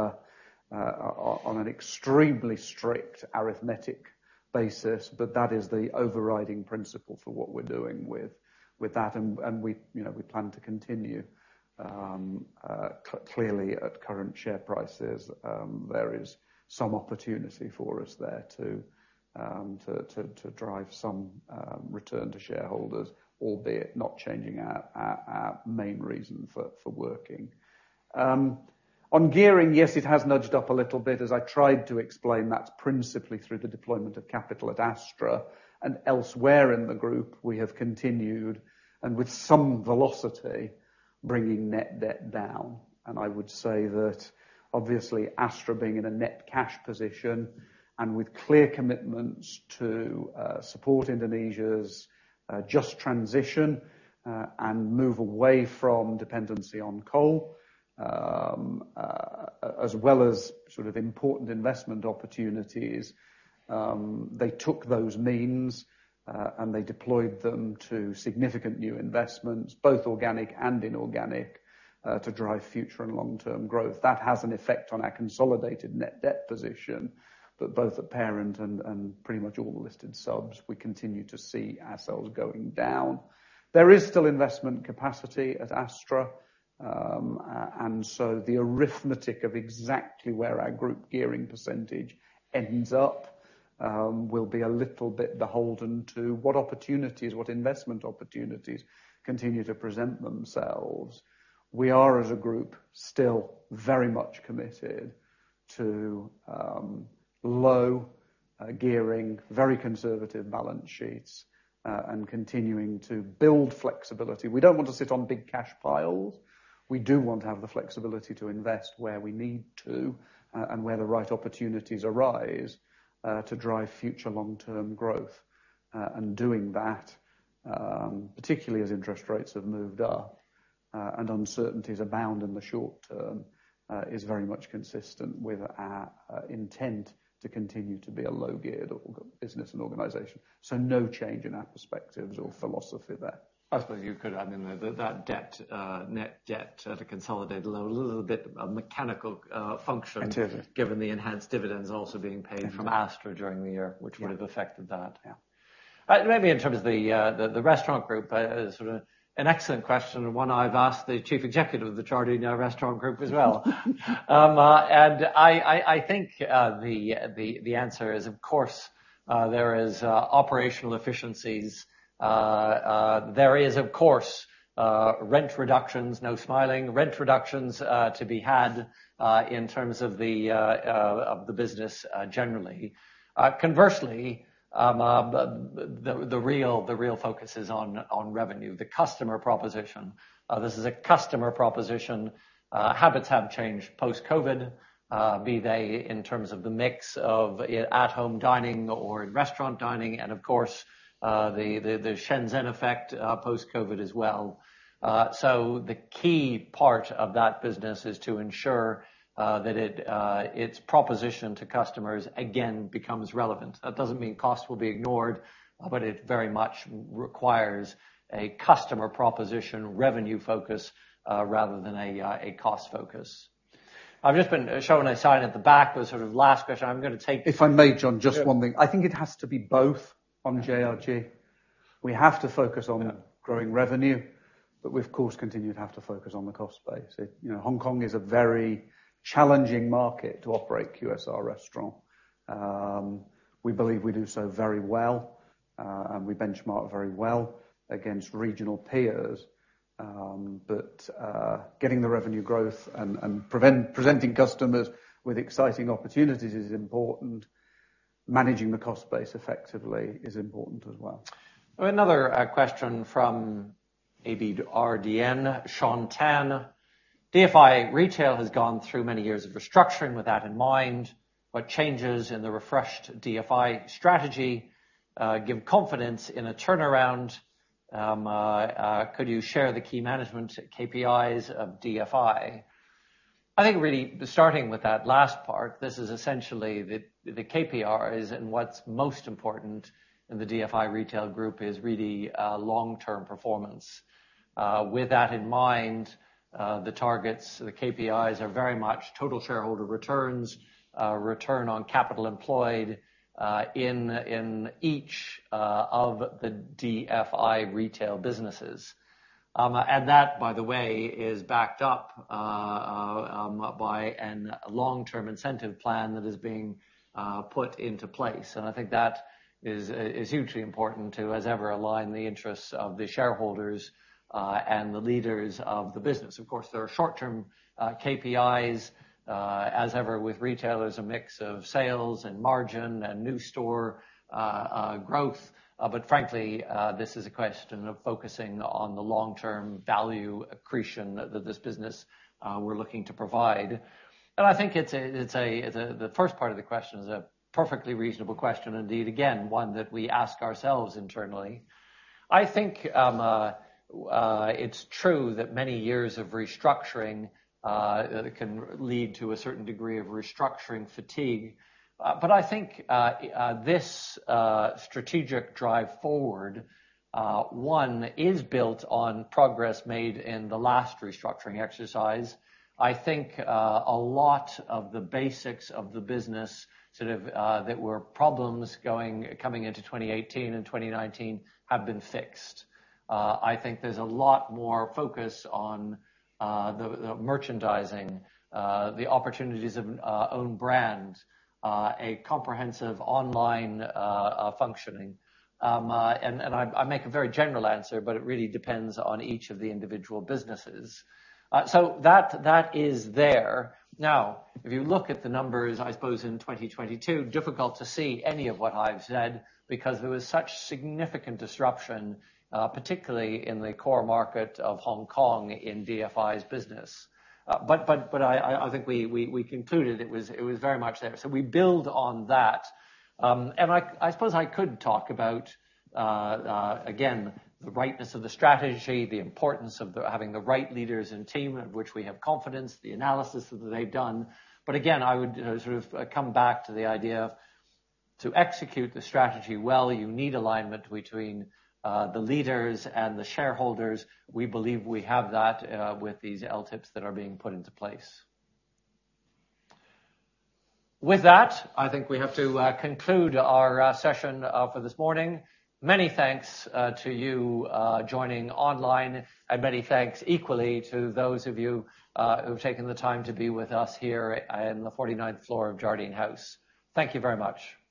[SPEAKER 2] an extremely strict arithmetic basis, but that is the overriding principle for what we're doing with that. And we, you know, we plan to continue. Clearly, at current share prices, there is some opportunity for us there to drive some return to shareholders, albeit not changing our main reason for working. On gearing, yes, it has nudged up a little bit. As I tried to explain, that's principally through the deployment of capital at Astra and elsewhere in the group, we have continued, and with some velocity, bringing net debt down. And I would say that obviously, Astra being in a net cash position and with clear commitments to support Indonesia's just transition and move away from dependency on coal. As well as sort of important investment opportunities, they took those means and they deployed them to significant new investments, both organic and inorganic, to drive future and long-term growth. That has an effect on our consolidated net debt position, but both the parent and pretty much all the listed subs, we continue to see ourselves going down. There is still investment capacity at Astra. And so the arithmetic of exactly where our group gearing percentage ends up will be a little bit beholden to what opportunities, what investment opportunities continue to present themselves. We are, as a group, still very much committed to low gearing, very conservative balance sheets, and continuing to build flexibility. We don't want to sit on big cash piles. We do want to have the flexibility to invest where we need to, and where the right opportunities arise, to drive future long-term growth. Doing that, particularly as interest rates have moved up, and uncertainties abound in the short term, is very much consistent with our intent to continue to be a low-geared business and organization. So no change in our perspectives or philosophy there.
[SPEAKER 1] I suppose you could add in there that, that debt, net debt at a consolidated level, a little bit a mechanical function-
[SPEAKER 2] It is...
[SPEAKER 1] given the enhanced dividends also being paid- From Astra... during the year, which would have affected that.
[SPEAKER 2] Yeah.
[SPEAKER 1] Maybe in terms of the restaurant group, sort of an excellent question, and one I've asked the Chief Executive of the Jardine Restaurant Group as well. I think the answer is, of course, there is operational efficiencies. There is, of course, rent reductions, no small rent reductions, to be had in terms of the business generally. Conversely, the real focus is on revenue, the customer proposition. This is a customer proposition. Habits have changed post-COVID, be they in terms of the mix of at home dining or in restaurant dining, and of course, the Shenzhen effect, post-COVID as well. So the key part of that business is to ensure that its proposition to customers, again, becomes relevant. That doesn't mean costs will be ignored, but it very much requires a customer proposition revenue focus, rather than a cost focus. I've just been shown a sign at the back, the sort of last question I'm gonna take-
[SPEAKER 2] If I may, John, just one thing.
[SPEAKER 1] Yeah.
[SPEAKER 2] I think it has to be both on JRG.
[SPEAKER 1] Yeah.
[SPEAKER 2] We have to focus on growing revenue, but we of course continue to have to focus on the cost base. You know, Hong Kong is a very challenging market to operate QSR restaurant. We believe we do so very well, and we benchmark very well against regional peers. But getting the revenue growth and presenting customers with exciting opportunities is important. Managing the cost base effectively is important as well.
[SPEAKER 1] Another question from abrdn, Sean Teng. DFI Retail has gone through many years of restructuring. With that in mind, what changes in the refreshed DFI strategy give confidence in a turnaround? Could you share the key management KPIs of DFI? I think really starting with that last part, this is essentially the KPIs and what's most important in the DFI Retail Group is really long-term performance. With that in mind, the targets, the KPIs, are very much total shareholder returns, return on capital employed, in each of the DFI retail businesses. And that, by the way, is backed up by a long-term incentive plan that is being put into place. I think that is hugely important to, as ever, align the interests of the shareholders and the leaders of the business. Of course, there are short-term KPIs, as ever, with retailers, a mix of sales and margin and new store growth. But frankly, this is a question of focusing on the long-term value accretion that this business we're looking to provide. I think the first part of the question is a perfectly reasonable question, indeed, again, one that we ask ourselves internally. I think it's true that many years of restructuring can lead to a certain degree of restructuring fatigue. But I think this strategic drive forward one is built on progress made in the last restructuring exercise. I think a lot of the basics of the business, sort of, that were problems coming into 2018 and 2019, have been fixed. I think there's a lot more focus on the merchandising, the opportunities of own brand, a comprehensive online functioning. And I make a very general answer, but it really depends on each of the individual businesses. So that is there. Now, if you look at the numbers, I suppose, in 2022, difficult to see any of what I've said, because there was such significant disruption, particularly in the core market of Hong Kong in DFI's business. But I think we concluded it was very much there. So we build on that. And I suppose I could talk about, again, the rightness of the strategy, the importance of having the right leaders and team, of which we have confidence, the analysis that they've done. But again, I would sort of come back to the idea, to execute the strategy well, you need alignment between the leaders and the shareholders. We believe we have that with these LTIPs that are being put into place. With that, I think we have to conclude our session for this morning. Many thanks to you joining online, and many thanks equally to those of you who've taken the time to be with us here in the 49th floor of Jardine House. Thank you very much.